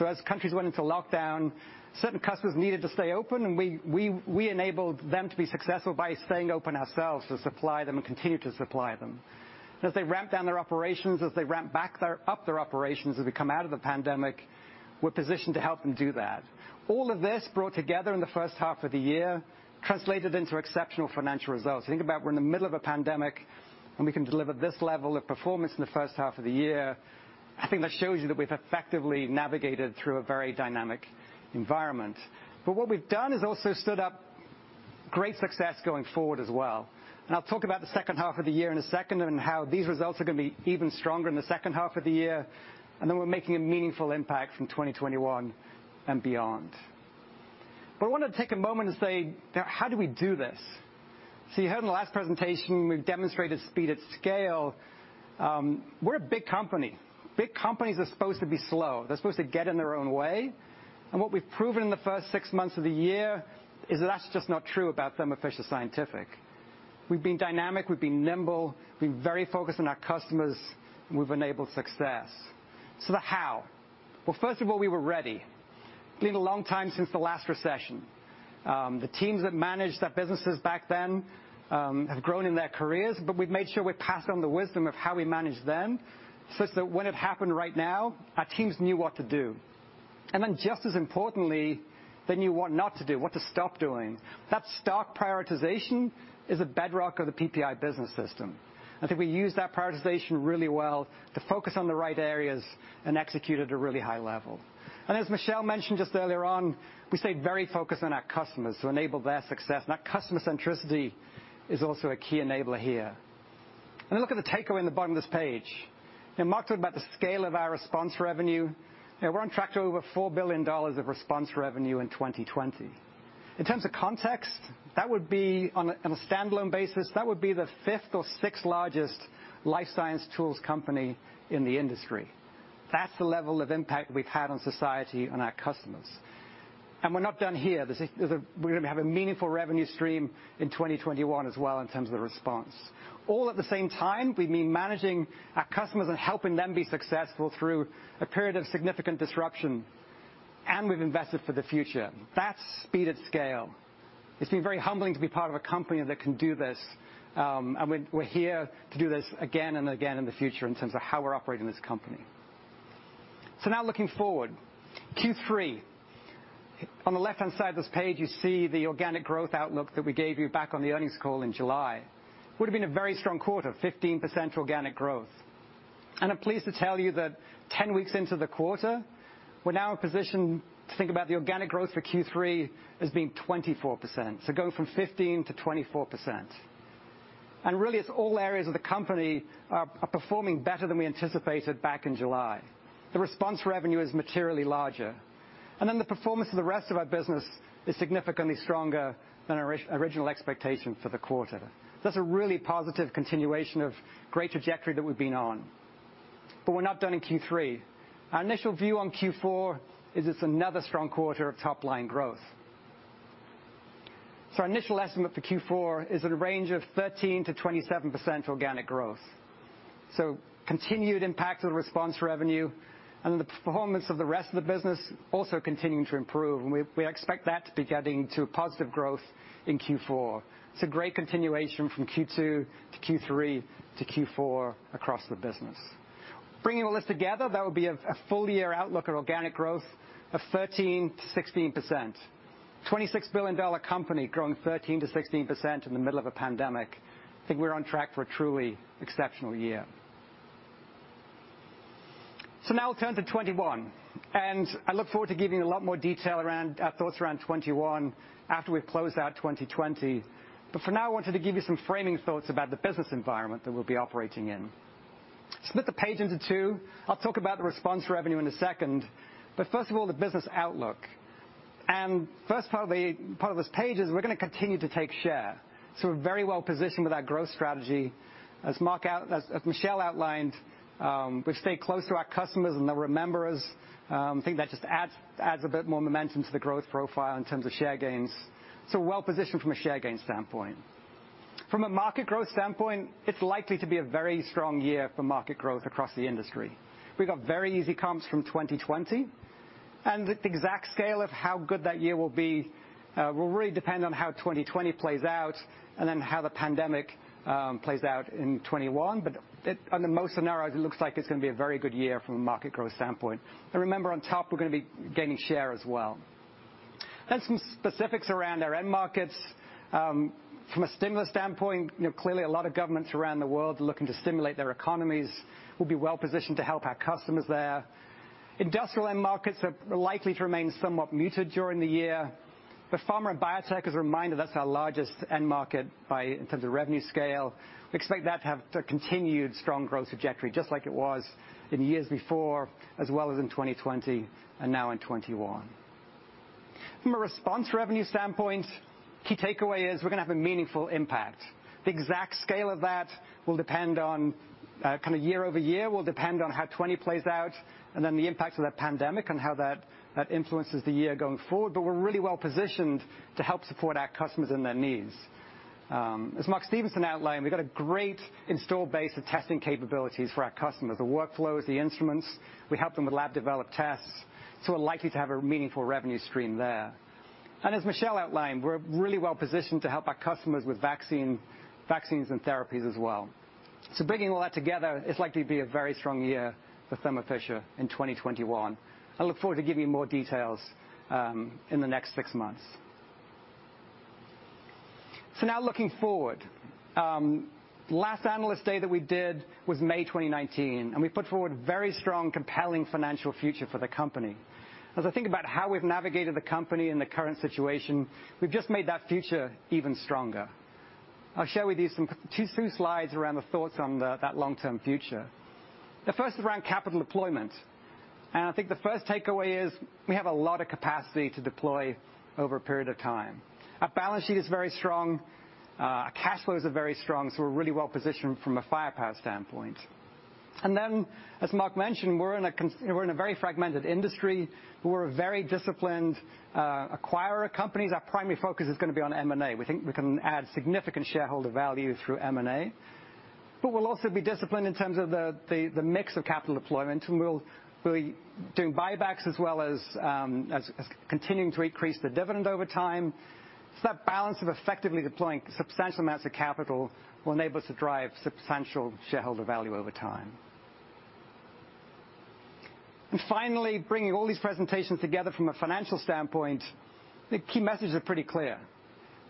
As countries went into lockdown, certain customers needed to stay open, and we enabled them to be successful by staying open ourselves to supply them and continue to supply them. As they ramped down their operations, as they ramped back up their operations as we come out of the pandemic, we're positioned to help them do that. All of this brought together in the first half of the year translated into exceptional financial results. Think about we're in the middle of a pandemic, and we can deliver this level of performance in the first half of the year. I think that shows you that we've effectively navigated through a very dynamic environment. What we've done is also stood up great success going forward as well, and I'll talk about the second half of the year in a second and how these results are going to be even stronger in the second half of the year, and then we're making a meaningful impact from 2021 and beyond. I want to take a moment and say, how do we do this? You heard in the last presentation, we've demonstrated speed at scale. We're a big company. Big companies are supposed to be slow. They're supposed to get in their own way, and what we've proven in the first six months of the year is that that's just not true about Thermo Fisher Scientific. We've been dynamic, we've been nimble, we've been very focused on our customers, and we've enabled success. The how. Well, first of all, we were ready. It's been a long time since the last recession. The teams that managed their businesses back then have grown in their careers, but we've made sure we passed on the wisdom of how we managed then, such that when it happened right now, our teams knew what to do. Just as importantly, they knew what not to do, what to stop doing. That strict prioritization is a bedrock of the PPI business system. I think we used that prioritization really well to focus on the right areas and execute at a really high level. As Michel mentioned just earlier on, we stayed very focused on our customers to enable their success. That customer centricity is also a key enabler here. Look at the takeaway in the bottom of this page. Mark talked about the scale of our response revenue. We're on track to over $4 billion of response revenue in 2020. In terms of context, that would be, on a standalone basis, that would be the fifth or sixth largest life science tools company in the industry. That's the level of impact we've had on society and our customers. We're not done here. We're going to have a meaningful revenue stream in 2021 as well in terms of the response. All at the same time, we've been managing our customers and helping them be successful through a period of significant disruption, and we've invested for the future. That's speed at scale. It's been very humbling to be part of a company that can do this, and we're here to do this again and again in the future in terms of how we're operating this company. Now looking forward. Q3. On the left-hand side of this page, you see the organic growth outlook that we gave you back on the earnings call in July. Would've been a very strong quarter, 15% organic growth. I'm pleased to tell you that 10 weeks into the quarter, we're now in a position to think about the organic growth for Q3 as being 24%. Go from 15% to 24%. Really it's all areas of the company are performing better than we anticipated back in July. The response revenue is materially larger. The performance of the rest of our business is significantly stronger than our original expectation for the quarter. That's a really positive continuation of great trajectory that we've been on. We're not done in Q3. Our initial view on Q4 is it's another strong quarter of top-line growth. Our initial estimate for Q4 is at a range of 13%-27% organic growth. Continued impact of the response revenue and the performance of the rest of the business also continuing to improve, and we expect that to be getting to a positive growth in Q4. It's a great continuation from Q2 to Q3 to Q4 across the business. Bringing all this together, that would be a full-year outlook of organic growth of 13%-16%. $26 billion company growing 13%-16% in the middle of a pandemic. I think we're on track for a truly exceptional year. Now we'll turn to 2021, and I look forward to giving a lot more detail around our thoughts around 2021 after we've closed out 2020. For now, I wanted to give you some framing thoughts about the business environment that we'll be operating in. Split the page into two. I'll talk about the response revenue in a second, but first of all, the business outlook. First part of this page is we're going to continue to take share. We're very well positioned with our growth strategy. As Michel outlined, we've stayed close to our customers and they'll remember us. I think that just adds a bit more momentum to the growth profile in terms of share gains. We're well-positioned from a share gain standpoint. From a market growth standpoint, it's likely to be a very strong year for market growth across the industry. We've got very easy comps from 2020, and the exact scale of how good that year will be will really depend on how 2020 plays out and then how the pandemic plays out in 2021. Under most scenarios, it looks like it's going to be a very good year from a market growth standpoint. Remember, on top, we're going to be gaining share as well. Some specifics around our end markets. From a stimulus standpoint, clearly a lot of governments around the world are looking to stimulate their economies. We'll be well-positioned to help our customers there. Industrial end markets are likely to remain somewhat muted during the year. Pharma and biotech, as a reminder, that's our largest end market in terms of revenue scale. We expect that to have a continued strong growth trajectory, just like it was in years before, as well as in 2020 and now in 2021. From a response revenue standpoint, key takeaway is we're going to have a meaningful impact. The exact scale of that will depend on kind of year-over-year, will depend on how 2020 plays out, and then the impact of that pandemic and how that influences the year going forward. We're really well-positioned to help support our customers and their needs. As Mark Stevenson outlined, we've got a great install base of testing capabilities for our customers, the workflows, the instruments. We help them with lab-developed tests. We're likely to have a meaningful revenue stream there. As Michel outlined, we're really well-positioned to help our customers with vaccines and therapies as well. Bringing all that together, it's likely to be a very strong year for Thermo Fisher in 2021. I look forward to giving you more details in the next six months. Now looking forward. Last Analyst Day that we did was May 2019. We put forward very strong, compelling financial future for the company. As I think about how we've navigated the company in the current situation, we've just made that future even stronger. I'll share with you two slides around the thoughts on that long-term future. The first is around capital deployment. I think the first takeaway is we have a lot of capacity to deploy over a period of time. Our balance sheet is very strong. Our cash flows are very strong. We're really well-positioned from a firepower standpoint. As Mark mentioned, we're in a very fragmented industry. We're a very disciplined acquirer of companies. Our primary focus is going to be on M&A. We think we can add significant shareholder value through M&A, but we'll also be disciplined in terms of the mix of capital deployment, and we'll be doing buybacks as well as continuing to increase the dividend over time. That balance of effectively deploying substantial amounts of capital will enable us to drive substantial shareholder value over time. Finally, bringing all these presentations together from a financial standpoint, the key messages are pretty clear.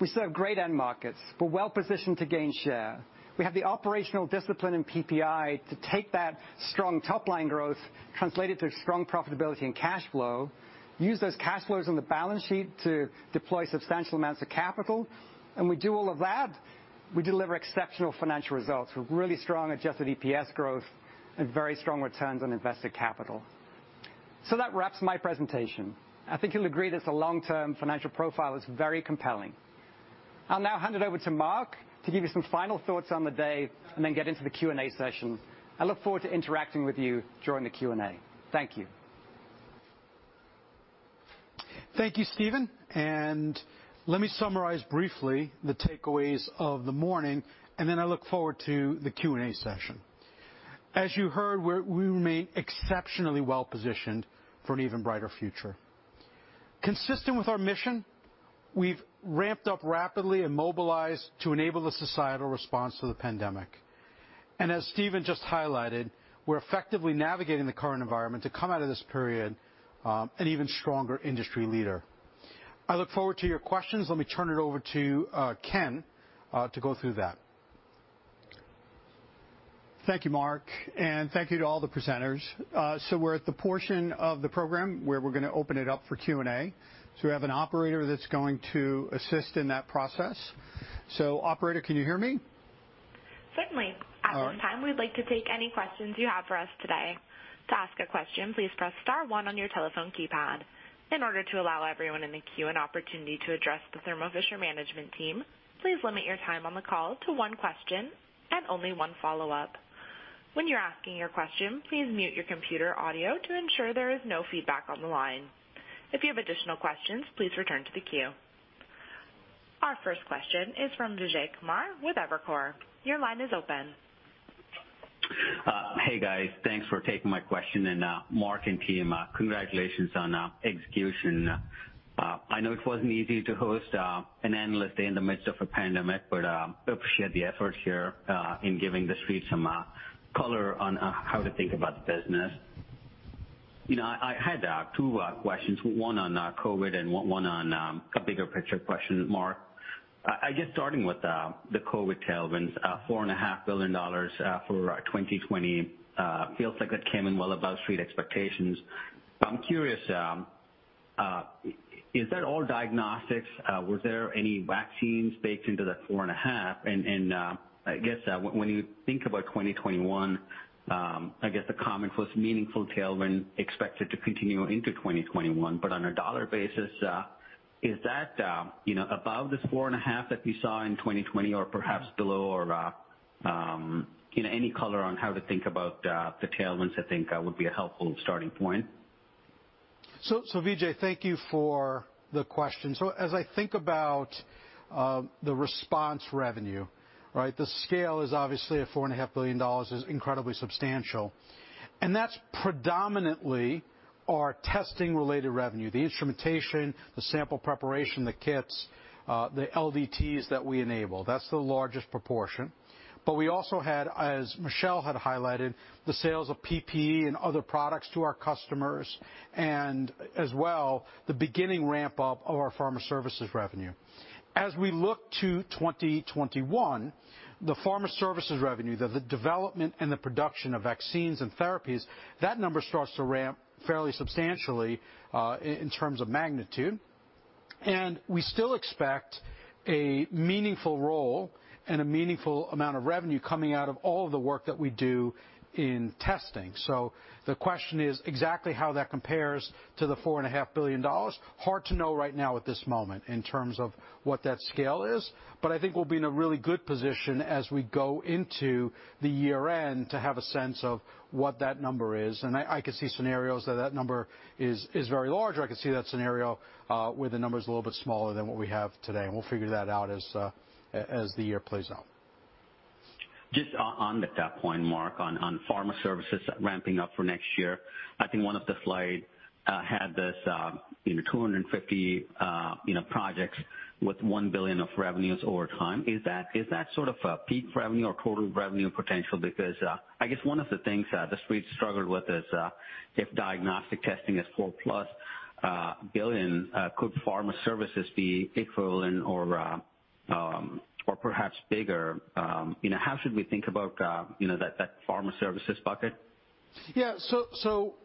We serve great end markets. We're well-positioned to gain share. We have the operational discipline and PPI to take that strong top-line growth, translate it to strong profitability and cash flow, use those cash flows on the balance sheet to deploy substantial amounts of capital, and we do all of that, we deliver exceptional financial results with really strong adjusted EPS growth and very strong returns on invested capital. That wraps my presentation. I think you'll agree this long-term financial profile is very compelling. I'll now hand it over to Marc to give you some final thoughts on the day and then get into the Q&A session. I look forward to interacting with you during the Q&A. Thank you. Thank you, Stephen, and let me summarize briefly the takeaways of the morning, and then I look forward to the Q&A session. As you heard, we remain exceptionally well-positioned for an even brighter future. Consistent with our mission, we've ramped up rapidly and mobilized to enable the societal response to the pandemic. As Stephen just highlighted, we're effectively navigating the current environment to come out of this period an even stronger industry leader. I look forward to your questions. Let me turn it over to Ken to go through that. Thank you, Marc, and thank you to all the presenters. We're at the portion of the program where we're going to open it up for Q&A. We have an operator that's going to assist in that process. Operator, can you hear me? Certainly. All right. At this time, we'd like to take any questions you have for us today. To ask a question, please press star one on your telephone keypad. In order to allow everyone in the queue an opportunity to address the Thermo Fisher management team, please limit your time on the call to one question and only one follow-up. When you're asking your question, please mute your computer audio to ensure there is no feedback on the line. If you have additional questions, please return to the queue. Our first question is from Vijay Kumar with Evercore. Your line is open. Hey, guys. Thanks for taking my question, Marc and team, congratulations on execution. I know it wasn't easy to host an Analyst Day in the midst of a pandemic, appreciate the effort here in giving the street some color on how to think about the business. I had two questions, one on COVID-19 and one on a bigger picture question, Marc. I guess starting with the COVID-19 tailwinds, $4.5 billion for 2020 feels like it came in well above street expectations. I'm curious, is that all diagnostics? Was there any vaccines baked into that four and a half? I guess when you think about 2021, I guess the common, most meaningful tailwind expected to continue into 2021, on a dollar basis, is that above this four and a half that we saw in 2020 or perhaps below? Any color on how to think about the tailwinds, I think, would be a helpful starting point. Vijay, thank you for the question. As I think about the response revenue, right. The scale is obviously a $4.5 billion is incredibly substantial, and that's predominantly our testing-related revenue, the instrumentation, the sample preparation, the kits, the LDTs that we enable. That's the largest proportion. But we also had, as Michel had highlighted, the sales of PPE and other products to our customers, and as well, the beginning ramp-up of our Pharma Services revenue. As we look to 2021, the Pharma Services revenue, the development and the production of vaccines and therapies, that number starts to ramp fairly substantially in terms of magnitude, and we still expect a meaningful role and a meaningful amount of revenue coming out of all of the work that we do in testing. The question is exactly how that compares to the $4.5 billion. Hard to know right now at this moment in terms of what that scale is. I think we'll be in a really good position as we go into the year-end to have a sense of what that number is. I could see scenarios that number is very large. I could see that scenario where the number's a little bit smaller than what we have today. We'll figure that out as the year plays out. Just on that point, Marc, on pharma services ramping up for next year. I think one of the slides had this 250 projects with $1 billion of revenues over time. Is that sort of a peak revenue or total revenue potential? I guess one of the things the street struggled with is if diagnostic testing is $4-plus billion, could pharma services be equivalent or perhaps bigger. How should we think about that pharma services bucket? Yeah.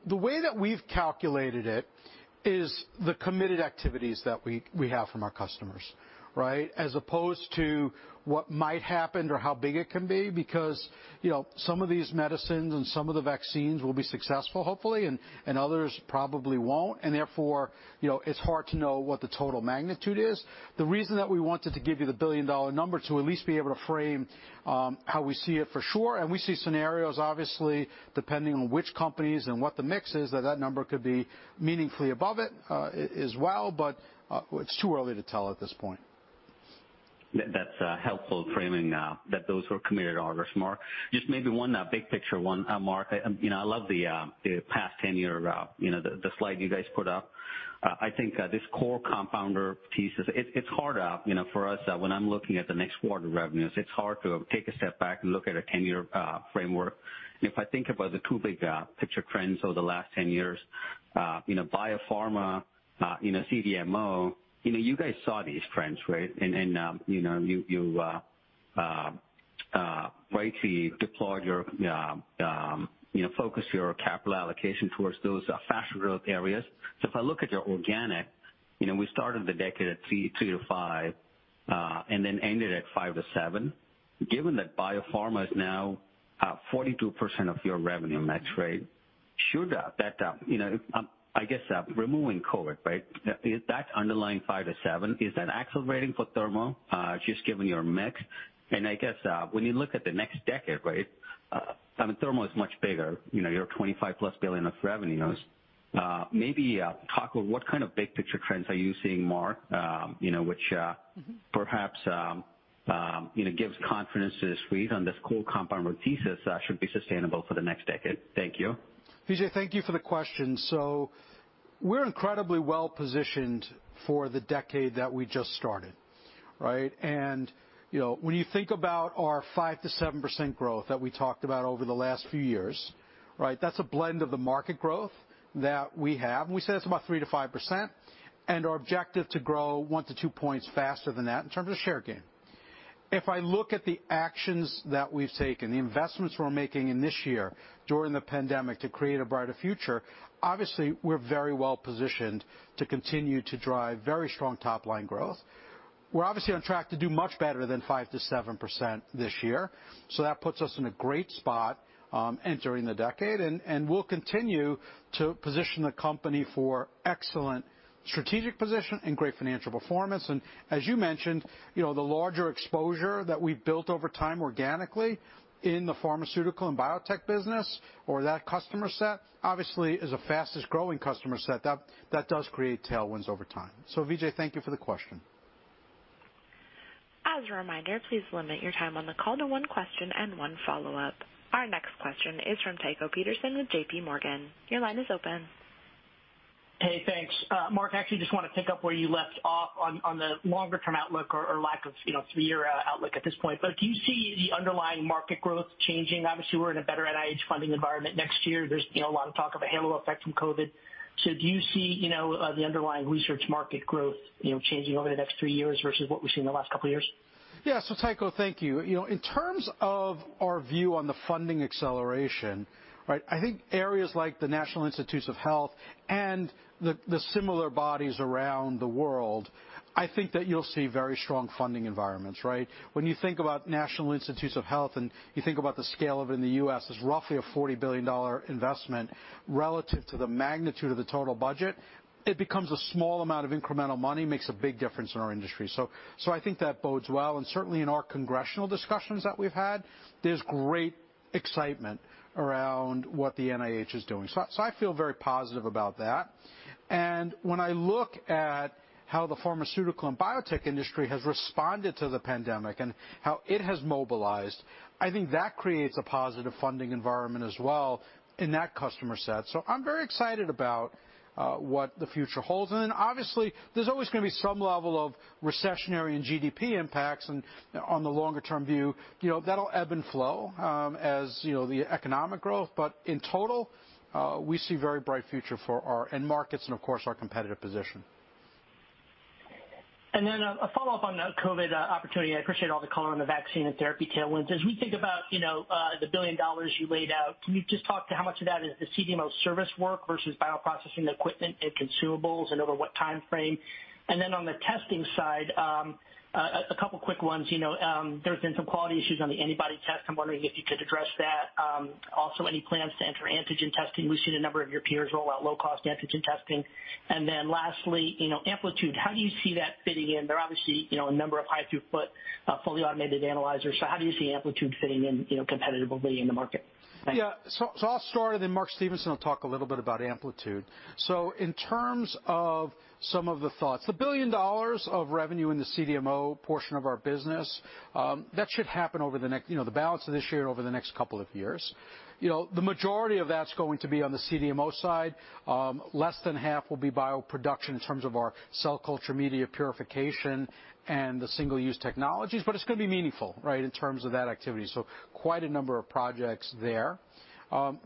The way that we've calculated it is the committed activities that we have from our customers. As opposed to what might happen or how big it can be, because some of these medicines and some of the vaccines will be successful, hopefully, and others probably won't. Therefore, it's hard to know what the total magnitude is. The reason that we wanted to give you the billion-dollar number to at least be able to frame how we see it for sure, and we see scenarios obviously depending on which companies and what the mix is, that number could be meaningfully above it as well. It's too early to tell at this point. That's helpful framing that those who are committed are more. Just maybe one big picture one, Marc. I love the past 10-year route, the slide you guys put up. I think this core compounder piece is, it's hard for us when I'm looking at the next quarter revenues, it's hard to take a step back and look at a 10-year framework. If I think about the two big picture trends over the last 10 years, biopharma, CDMO, you guys saw these trends. You rightly focused your capital allocation towards those faster growth areas. If I look at your organic, we started the decade at 3%-5%, and then ended at 5%-7%. Given that biopharma is now 42% of your revenue mix rate, should that, I guess, removing COVID-19. Is that underlying 5%-7%, is that accelerating for Thermo, just given your mix? I guess, when you look at the next decade, right? I mean, Thermo is much bigger. You're $25+ billion of revenues. Maybe talk about what kind of big picture trends are you seeing, Marc, which perhaps gives confidence to the street on this core compounder thesis should be sustainable for the next decade. Thank you. Vijay, thank you for the question. We're incredibly well-positioned for the decade that we just started. When you think about our 5%-7% growth that we talked about over the last few years. That's a blend of the market growth that we have, and we say that's about 3%-5%, and our objective to grow one to two points faster than that in terms of share gain. If I look at the actions that we've taken, the investments we're making in this year during the pandemic to create a brighter future, obviously, we're very well-positioned to continue to drive very strong top-line growth. We're obviously on track to do much better than 5%-7% this year. That puts us in a great spot entering the decade. We'll continue to position the company for excellent strategic position and great financial performance. As you mentioned, the larger exposure that we've built over time organically in the pharmaceutical and biotech business or that customer set, obviously is the fastest growing customer set. That does create tailwinds over time. Vijay, thank you for the question. As a reminder, please limit your time on the call to one question and one follow-up. Our next question is from Tycho Peterson with JPMorgan. Hey, thanks. Marc, I actually just want to pick up where you left off on the longer term outlook or lack of three-year outlook at this point. Do you see the underlying market growth changing? Obviously, we're in a better NIH funding environment next year. There's a lot of talk of a halo effect from COVID. Do you see the underlying research market growth changing over the next three years versus what we've seen the last couple of years? Yeah. Tycho, thank you. In terms of our view on the funding acceleration. I think areas like the National Institutes of Health and the similar bodies around the world, I think that you'll see very strong funding environments. When you think about National Institutes of Health and you think about the scale of it in the U.S., is roughly a $40 billion investment relative to the magnitude of the total budget. It becomes a small amount of incremental money, makes a big difference in our industry. I think that bodes well. Certainly, in our congressional discussions that we've had, there's great excitement around what the NIH is doing. I feel very positive about that. When I look at how the pharmaceutical and biotech industry has responded to the pandemic and how it has mobilized, I think that creates a positive funding environment as well in that customer set. I'm very excited about what the future holds. Obviously, there's always going to be some level of recessionary and GDP impacts and on the longer-term view, that'll ebb and flow, as the economic growth, but in total, we see very bright future for our end markets and of course, our competitive position. A follow-up on the COVID opportunity. I appreciate all the color on the vaccine and therapy tailwinds. As we think about the $1 billion you laid out, can you just talk to how much of that is the CDMO service work versus bioprocessing the equipment and consumables and over what time frame? On the testing side, a couple quick ones. There's been some quality issues on the antibody test. I'm wondering if you could address that. Also any plans to enter antigen testing? We've seen a number of your peers roll out low-cost antigen testing. Lastly, Amplitude. How do you see that fitting in? They're obviously a number of high throughput, fully automated analyzers. How do you see Amplitude fitting in competitively in the market? Thanks. I'll start, and then Mark Stevenson will talk a little bit about Amplitude. In terms of some of the thoughts, the $1 billion of revenue in the CDMO portion of our business, that should happen over the balance of this year, over the next couple of years. The majority of that's going to be on the CDMO side. Less than half will be bioproduction in terms of our cell culture media purification and the single-use technologies. It's going to be meaningful. In terms of that activity. Quite a number of projects there.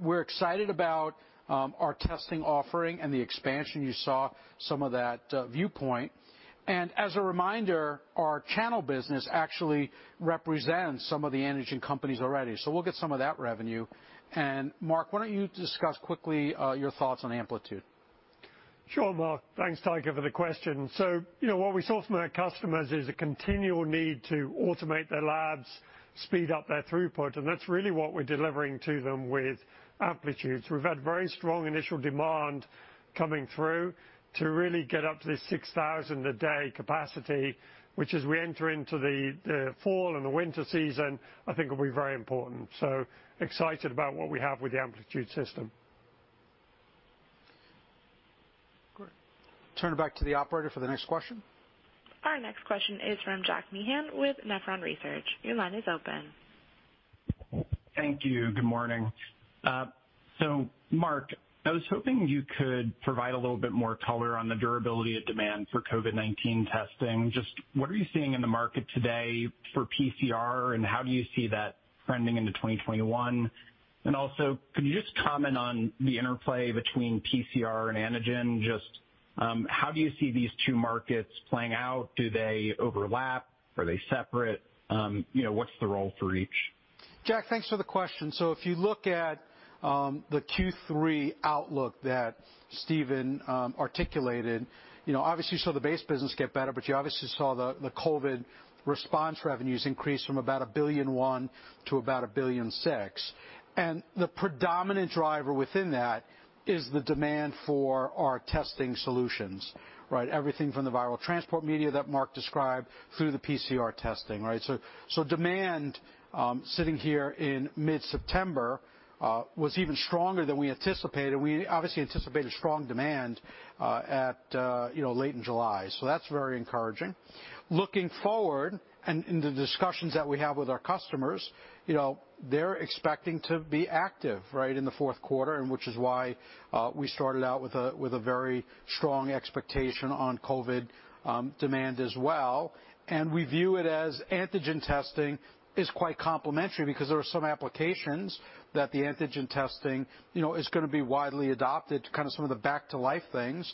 We're excited about our testing offering and the expansion you saw some of that viewpoint. As a reminder, our channel business actually represents some of the antigen companies already. We'll get some of that revenue. Mark, why don't you discuss quickly, your thoughts on Amplitude? Sure, Marc. Thanks, Tycho, for the question. What we saw from our customers is a continual need to automate their labs, speed up their throughput, and that's really what we're delivering to them with Amplitude. We've had very strong initial demand coming through to really get up to this 6,000 a day capacity, which, as we enter into the fall and the winter season, I think will be very important. Excited about what we have with the Amplitude system. Great. Turn it back to the operator for the next question. Our next question is from Jack Meehan with Nephron Research. Your line is open. Thank you. Good morning. Marc, I was hoping you could provide a little bit more color on the durability of demand for COVID-19 testing. Just what are you seeing in the market today for PCR, and how do you see that trending into 2021? Also, could you just comment on the interplay between PCR and antigen, just how do you see these two markets playing out? Do they overlap? Are they separate? What's the role for each? Jack, thanks for the question. If you look at the Q3 outlook that Stephen articulated, obviously you saw the base business get better, but you obviously saw the COVID response revenues increase from about $1.1 billion-$1.6 billion. The predominant driver within that is the demand for our testing solutions, right? Everything from the viral transport media that Mark described through the PCR testing, right? Demand, sitting here in mid-September, was even stronger than we anticipated. We obviously anticipated strong demand late in July. That's very encouraging. Looking forward, and in the discussions that we have with our customers, they're expecting to be active in the fourth quarter, and which is why we started out with a very strong expectation on COVID demand as well. We view it as antigen testing is quite complementary because there are some applications that the antigen testing is going to be widely adopted, kind of some of the back-to-life things.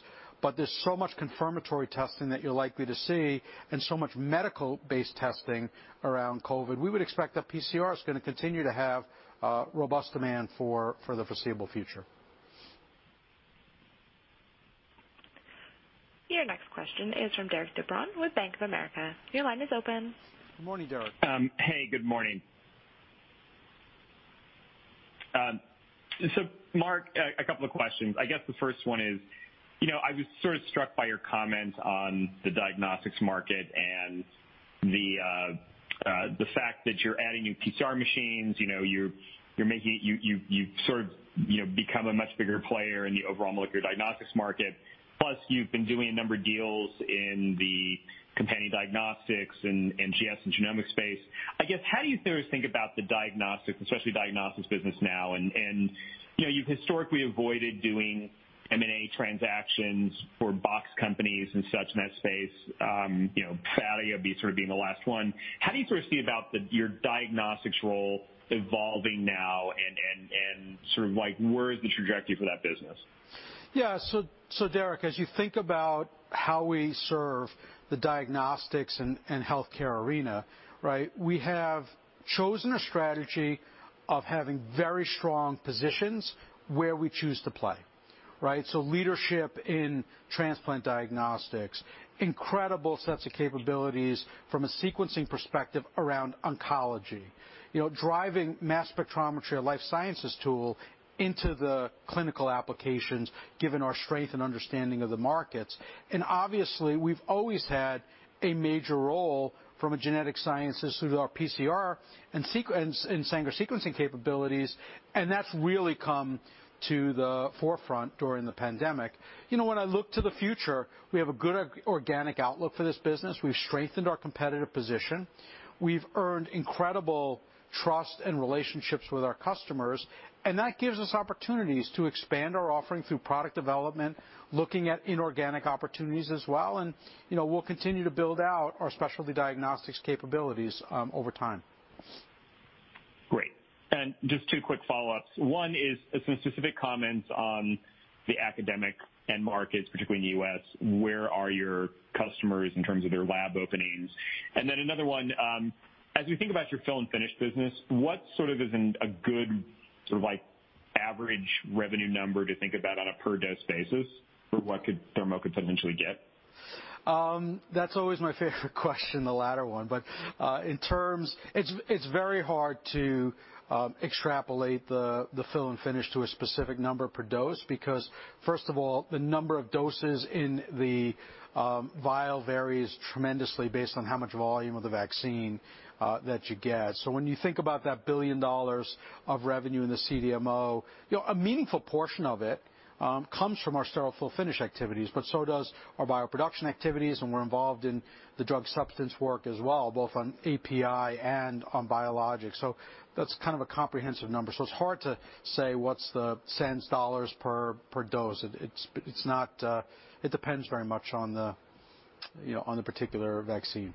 There's so much confirmatory testing that you're likely to see and so much medical-based testing around COVID. We would expect that PCR is going to continue to have robust demand for the foreseeable future. Your next question is from Derik de Bruin with Bank of America. Your line is open. Morning, Derik. Hey, good morning. Marc, a couple of questions. The first one is, I was sort of struck by your comment on the diagnostics market and the fact that you're adding new PCR machines, you've sort of become a much bigger player in the overall molecular diagnostics market. Plus, you've been doing a number of deals in the companion diagnostics and NGS and genomics space. How do you think about the diagnostics, especially diagnostics business now? You've historically avoided doing M&A transactions for box companies and such in that space. Phadia would be sort of being the last one. How do you sort of see about your diagnostics role evolving now and sort of where is the trajectory for that business? Yeah. Derik, as you think about how we serve the diagnostics and healthcare arena, we have chosen a strategy of having very strong positions where we choose to play. Right? Leadership in transplant diagnostics, incredible sets of capabilities from a sequencing perspective around oncology. Driving mass spectrometry or life sciences tool into the clinical applications, given our strength and understanding of the markets. Obviously, we've always had a major role from a genetic sciences through our PCR and Sanger sequencing capabilities, and that's really come to the forefront during the pandemic. When I look to the future, we have a good organic outlook for this business. We've strengthened our competitive position. We've earned incredible trust and relationships with our customers. That gives us opportunities to expand our offering through product development, looking at inorganic opportunities as well. We'll continue to build out our specialty diagnostics capabilities over time. Great. Just two quick follow-ups. One is some specific comments on the academic end markets, particularly in the U.S. Where are your customers in terms of their lab openings? Then another one, as you think about your fill and finish business, what sort of is a good sort of average revenue number to think about on a per-dose basis for what Thermo could potentially get? That's always my favorite question, the latter one. It's very hard to extrapolate the fill finish to a specific number per dose because, first of all, the number of doses in the vial varies tremendously based on how much volume of the vaccine that you get. When you think about that a billion dollars of revenue in the CDMO, a meaningful portion of it comes from our sterile fill finish activities, but so does our bioproduction activities, and we're involved in the drug substance work as well, both on API and on biologics. That's kind of a comprehensive number. It's hard to say what's the cents, dollars per dose. It depends very much on the particular vaccine.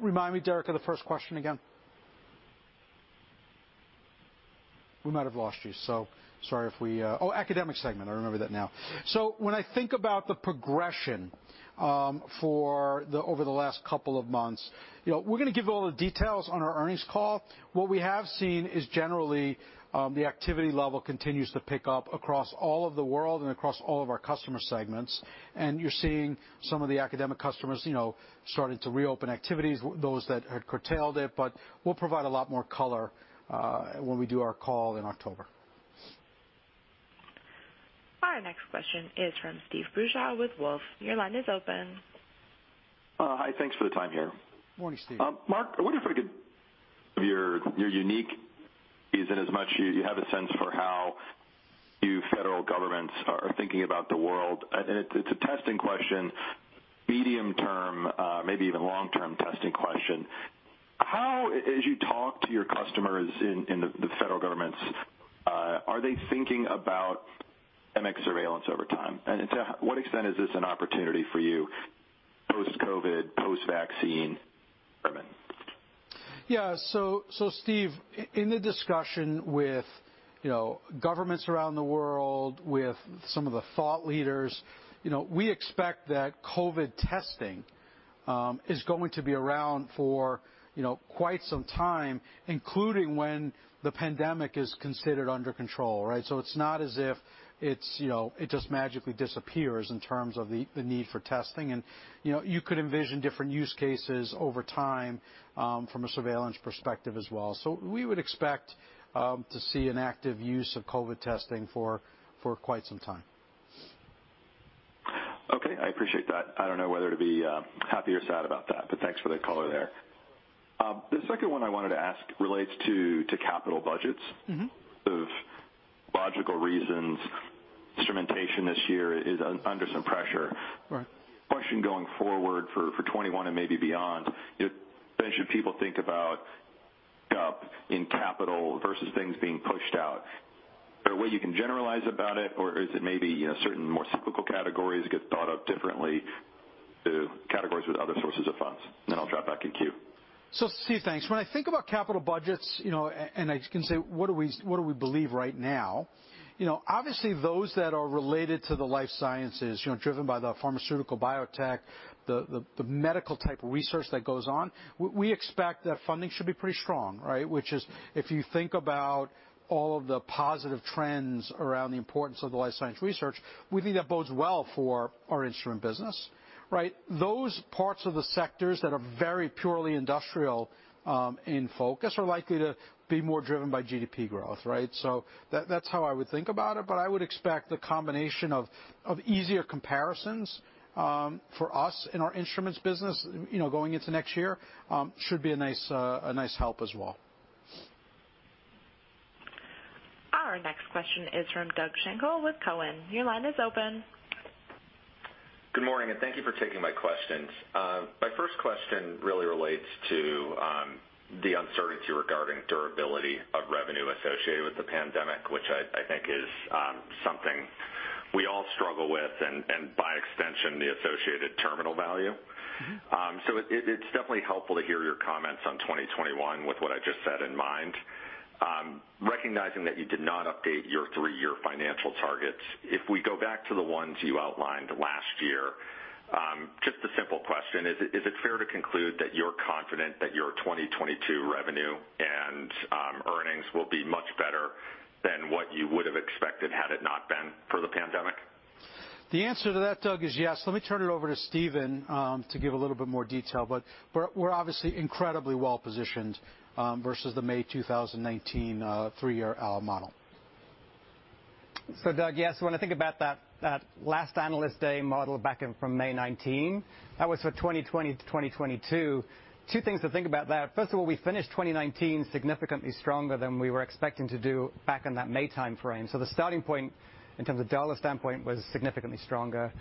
Remind me, Derik, of the first question again. We might have lost you. Sorry if we Oh, academic segment, I remember that now. When I think about the progression over the last couple of months, we're going to give all the details on our earnings call. What we have seen is generally, the activity level continues to pick up across all of the world and across all of our customer segments. You're seeing some of the academic customers starting to reopen activities, those that had curtailed it, but we'll provide a lot more color when we do our call in October. Our next question is from Steve Beuchaw with Wolfe. Your line is open. Hi. Thanks for the time here. Morning, Steve. Marc, Your unique is in as much you have a sense for how few federal governments are thinking about the world, and it's a testing question, medium term, maybe even long-term testing question. How, as you talk to your customers in the federal governments, are they thinking about mass spectrometry surveillance over time? To what extent is this an opportunity for you post-COVID, post-vaccine government? Yeah. Steve, in the discussion with governments around the world, with some of the thought leaders, we expect that COVID testing is going to be around for quite some time, including when the pandemic is considered under control, right? It's not as if it just magically disappears in terms of the need for testing. You could envision different use cases over time from a surveillance perspective as well. We would expect to see an active use of COVID testing for quite some time. Okay. I appreciate that. I don't know whether to be happy or sad about that. Thanks for the color there. The second one I wanted to ask relates to capital budgets. of logical reasons instrumentation this year is under some pressure. Right. Question going forward for 2021 and maybe beyond, should people think about up in capital versus things being pushed out? Is there a way you can generalize about it or is it maybe certain more cyclical categories get thought of differently to categories with other sources of funds? I'll drop back in queue. Steve, thanks. When I think about capital budgets, and I can say what do we believe right now, obviously those that are related to the life sciences, driven by the pharmaceutical biotech, the medical type of research that goes on, we expect that funding should be pretty strong, right? Which is, if you think about all of the positive trends around the importance of the life science research, we think that bodes well for our instrument business, right? Those parts of the sectors that are very purely industrial in focus are likely to be more driven by GDP growth, right? That's how I would think about it, but I would expect the combination of easier comparisons for us in our instruments business going into next year should be a nice help as well. Our next question is from Doug Schenkel with Cowen. Your line is open. Good morning, and thank you for taking my questions. My first question really relates to the uncertainty regarding durability of revenue associated with the pandemic, which I think is something we all struggle with, and by extension, the associated terminal value. It's definitely helpful to hear your comments on 2021 with what I just said in mind. Recognizing that you did not update your three-year financial targets, if we go back to the ones you outlined last year, just a simple question, is it fair to conclude that you're confident that your 2022 revenue and earnings will be much better than what you would have expected had it not been for the pandemic? The answer to that, Doug, is yes. Let me turn it over to Stephen to give a little bit more detail, but we're obviously incredibly well-positioned versus the May 2019 three-year model. Doug, yes, when I think about that last Analyst Day model back from May 2019, that was for 2020/2022. Two things to think about that. First of all, we finished 2019 significantly stronger than we were expecting to do back in that May timeframe. The starting point in terms of dollar standpoint was significantly stronger.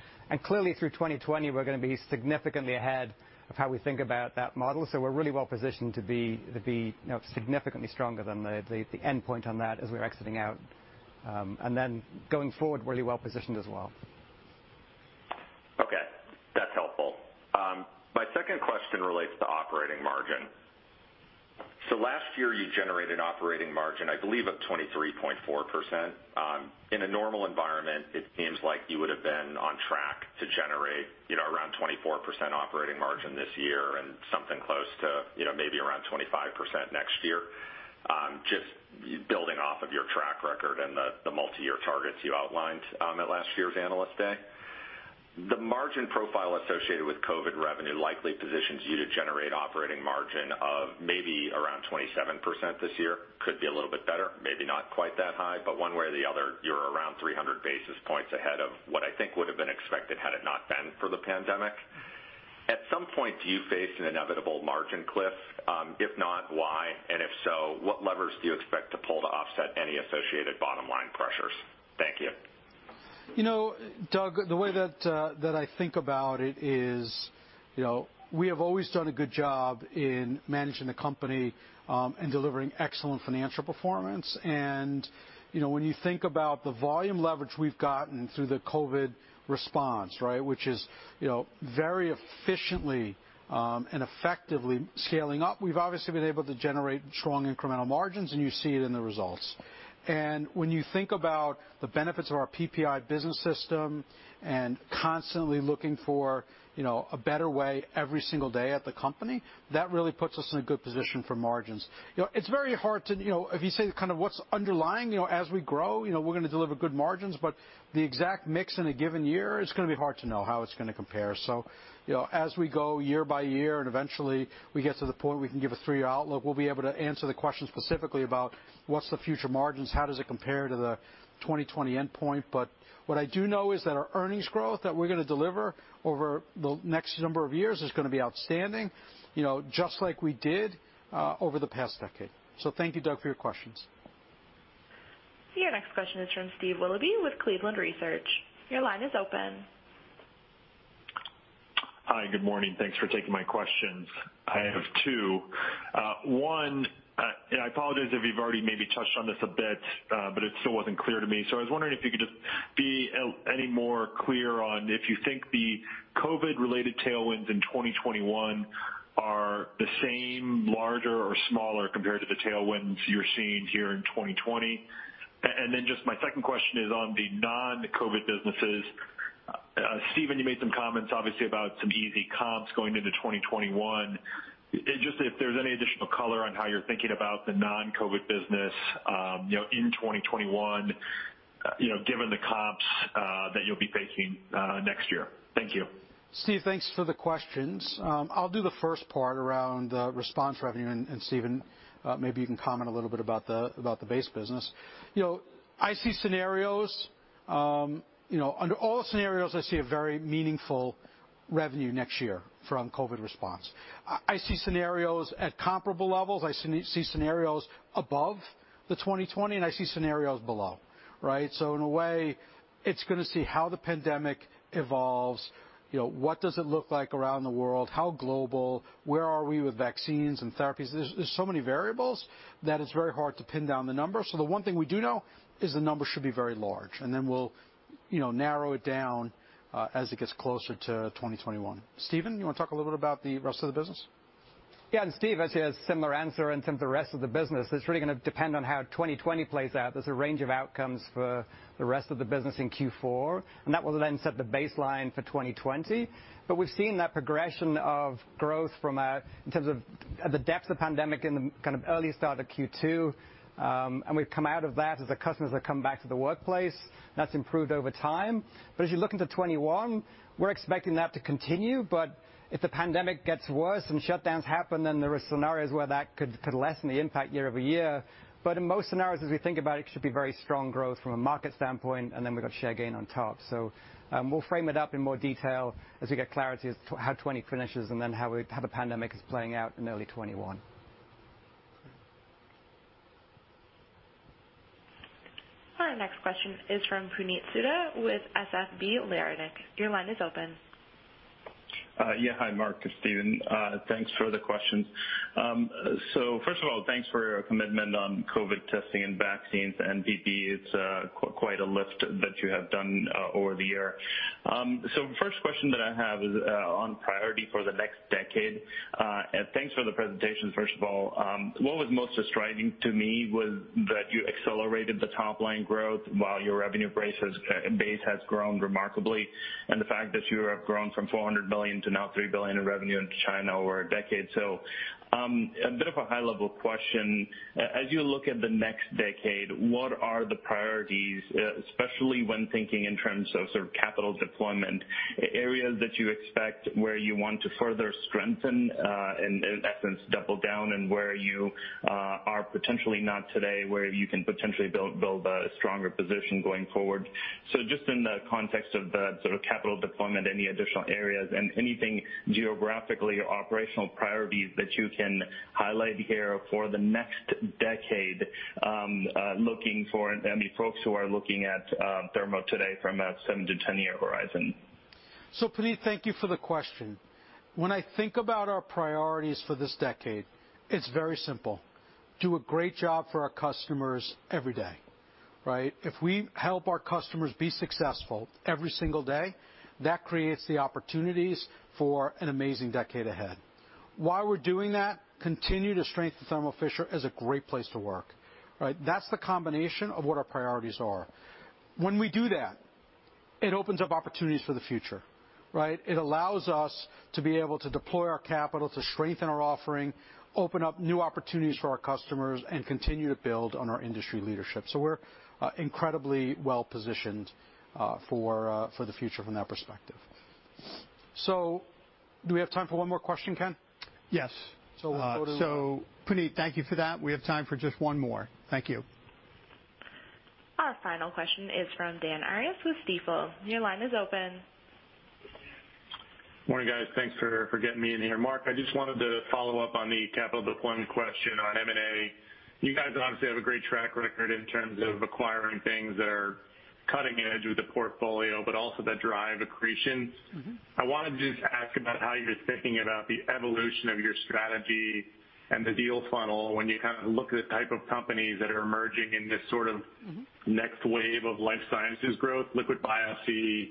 Clearly through 2020, we're going to be significantly ahead of how we think about that model. We're really well-positioned to be significantly stronger than the end point on that as we're exiting out. Going forward, really well-positioned as well. Okay. That's helpful. My second question relates to operating margin. Last year you generated operating margin, I believe, of 23.4%. In a normal environment, it seems like you would've been on track to generate around 24% operating margin this year and something close to maybe around 25% next year. Just building off of your track record and the multi-year targets you outlined at last year's Analyst Day. The margin profile associated with COVID revenue likely positions you to generate operating margin of maybe around 27% this year. Could be a little bit better, maybe not quite that high, but one way or the other, you're around 300 basis points ahead of what I think would've been expected had it not been for the pandemic. At some point, do you face an inevitable margin cliff? If not, why, and if so, what levers do you expect to pull to offset any associated bottom-line pressures? Thank you. Doug, the way that I think about it is we have always done a good job in managing the company and delivering excellent financial performance. When you think about the volume leverage we've gotten through the COVID response, which is very efficiently and effectively scaling up, we've obviously been able to generate strong incremental margins, and you see it in the results. When you think about the benefits of our PPI business system and constantly looking for a better way every single day at the company, that really puts us in a good position for margins. If you say what's underlying, as we grow, we're going to deliver good margins, but the exact mix in a given year is going to be hard to know how it's going to compare. As we go year by year, and eventually we get to the point we can give a three-year outlook, we'll be able to answer the question specifically about what's the future margins, how does it compare to the 2020 endpoint. What I do know is that our earnings growth that we're going to deliver over the next number of years is going to be outstanding, just like we did over the past decade. Thank you, Doug, for your questions. Your next question is from Steve Willoughby with Cleveland Research. Your line is open. Hi, good morning. Thanks for taking my questions. I have two. One. I apologize if you've already maybe touched on this a bit, but it still wasn't clear to me, so I was wondering if you could just be any more clear on if you think the COVID-related tailwinds in 2021 are the same, larger, or smaller compared to the tailwinds you're seeing here in 2020. Just my second question is on the non-COVID businesses. Stephen, you made some comments obviously about some easy comps going into 2021. Just if there's any additional color on how you're thinking about the non-COVID business in 2021, given the comps that you'll be facing next year. Thank you. Steve, thanks for the questions. I'll do the first part around response revenue, and Stephen, maybe you can comment a little bit about the base business. Under all scenarios, I see a very meaningful revenue next year from COVID response. I see scenarios at comparable levels. I see scenarios above the 2020, and I see scenarios below. In a way, it's going to see how the pandemic evolves. What does it look like around the world? How global? Where are we with vaccines and therapies? There's so many variables that it's very hard to pin down the number. The one thing we do know is the number should be very large, and then we'll narrow it down as it gets closer to 2021. Stephen, you want to talk a little bit about the rest of the business? Yeah. Steve, I see a similar answer in terms of the rest of the business. It's really going to depend on how 2020 plays out. There's a range of outcomes for the rest of the business in Q4, and that will then set the baseline for 2020. We've seen that progression of growth from a, in terms of the depth of the pandemic in the early start of Q2, and we've come out of that as the customers have come back to the workplace. That's improved over time. As you look into 2021, we're expecting that to continue, but if the pandemic gets worse and shutdowns happen, then there are scenarios where that could lessen the impact year-over-year. In most scenarios, as we think about it should be very strong growth from a market standpoint, and then we've got share gain on top. We'll frame it up in more detail as we get clarity as to how 2020 finishes and then how the pandemic is playing out in early 2021. Our next question is from Puneet Souda with SVB Leerink. Your line is open. Yeah. Hi, Marc and Stephen. Thanks for the questions. First of all, thanks for your commitment on COVID testing and vaccines and PPE. It's quite a lift that you have done over the year. The first question that I have is on priority for the next decade. Thanks for the presentation, first of all. What was most striking to me was that you accelerated the top-line growth while your revenue base has grown remarkably, and the fact that you have grown from $400 million to now $3 billion in revenue in China over a decade. A bit of a high-level question. As you look at the next decade, what are the priorities, especially when thinking in terms of capital deployment, areas that you expect where you want to further strengthen, in essence, double down, and where you are potentially not today, where you can potentially build a stronger position going forward, just in the context of the capital deployment, any additional areas and anything geographically or operational priorities that you can highlight here for the next decade, the folks who are looking at Thermo today from a seven to 10-year horizon? Puneet, thank you for the question. When I think about our priorities for this decade, it's very simple. Do a great job for our customers every day. If we help our customers be successful every single day, that creates the opportunities for an amazing decade ahead. While we're doing that, continue to strengthen Thermo Fisher as a great place to work. That's the combination of what our priorities are. When we do that, it opens up opportunities for the future. It allows us to be able to deploy our capital to strengthen our offering, open up new opportunities for our customers, and continue to build on our industry leadership. We're incredibly well-positioned for the future from that perspective. Do we have time for one more question, Ken? Yes. So we'll go to- Puneet, thank you for that. We have time for just one more. Thank you. Our final question is from Dan Arias with Stifel. Your line is open. Morning, guys. Thanks for getting me in here. Marc, I just wanted to follow up on the capital deployment question on M&A. You guys obviously have a great track record in terms of acquiring things that are cutting edge with the portfolio, but also drive accretion. I want to just ask about how you're thinking about the evolution of your strategy and the deal funnel when you kind of look at the type of companies that are emerging in this sort of. next wave of life sciences growth, liquid biopsy,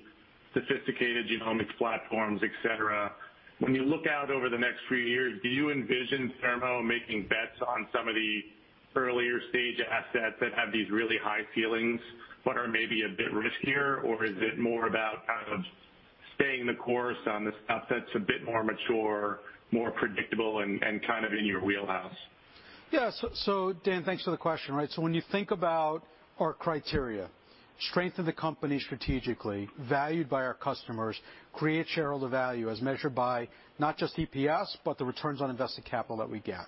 sophisticated genomics platforms, et cetera. When you look out over the next few years, do you envision Thermo making bets on some of the earlier stage assets that have these really high ceilings but are maybe a bit riskier? Is it more about kind of staying the course on the stuff that's a bit more mature, more predictable, and kind of in your wheelhouse? Yeah. Dan, thanks for the question, right? When you think about our criteria, strengthen the company strategically, valued by our customers, create shareholder value as measured by not just EPS, but the returns on invested capital that we get.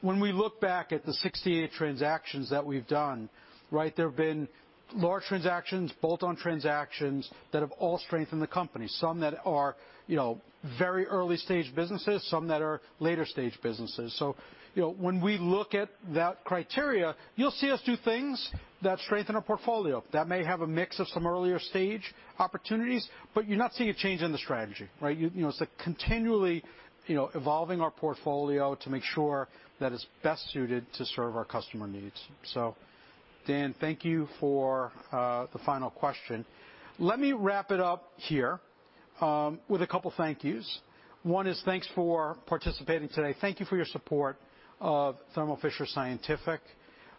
When we look back at the 68 transactions that we've done, right, there have been large transactions, bolt-on transactions, that have all strengthened the company. Some that are very early-stage businesses, some that are later-stage businesses. When we look at that criteria, you'll see us do things that strengthen our portfolio, that may have a mix of some earlier-stage opportunities, but you're not seeing a change in the strategy, right? It's continually evolving our portfolio to make sure that it's best suited to serve our customer needs. Dan, thank you for the final question. Let me wrap it up here with a couple thank yous. One is thanks for participating today. Thank you for your support of Thermo Fisher Scientific.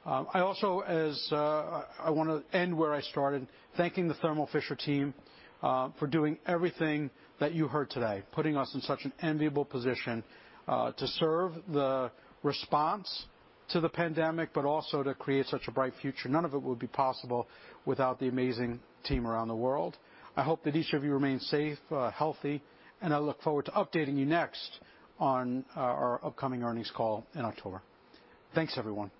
I also, as I want to end where I started, thanking the Thermo Fisher team for doing everything that you heard today, putting us in such an enviable position to serve the response to the pandemic, but also to create such a bright future. None of it would be possible without the amazing team around the world. I hope that each of you remain safe, healthy, and I look forward to updating you next on our upcoming earnings call in October. Thanks, everyone.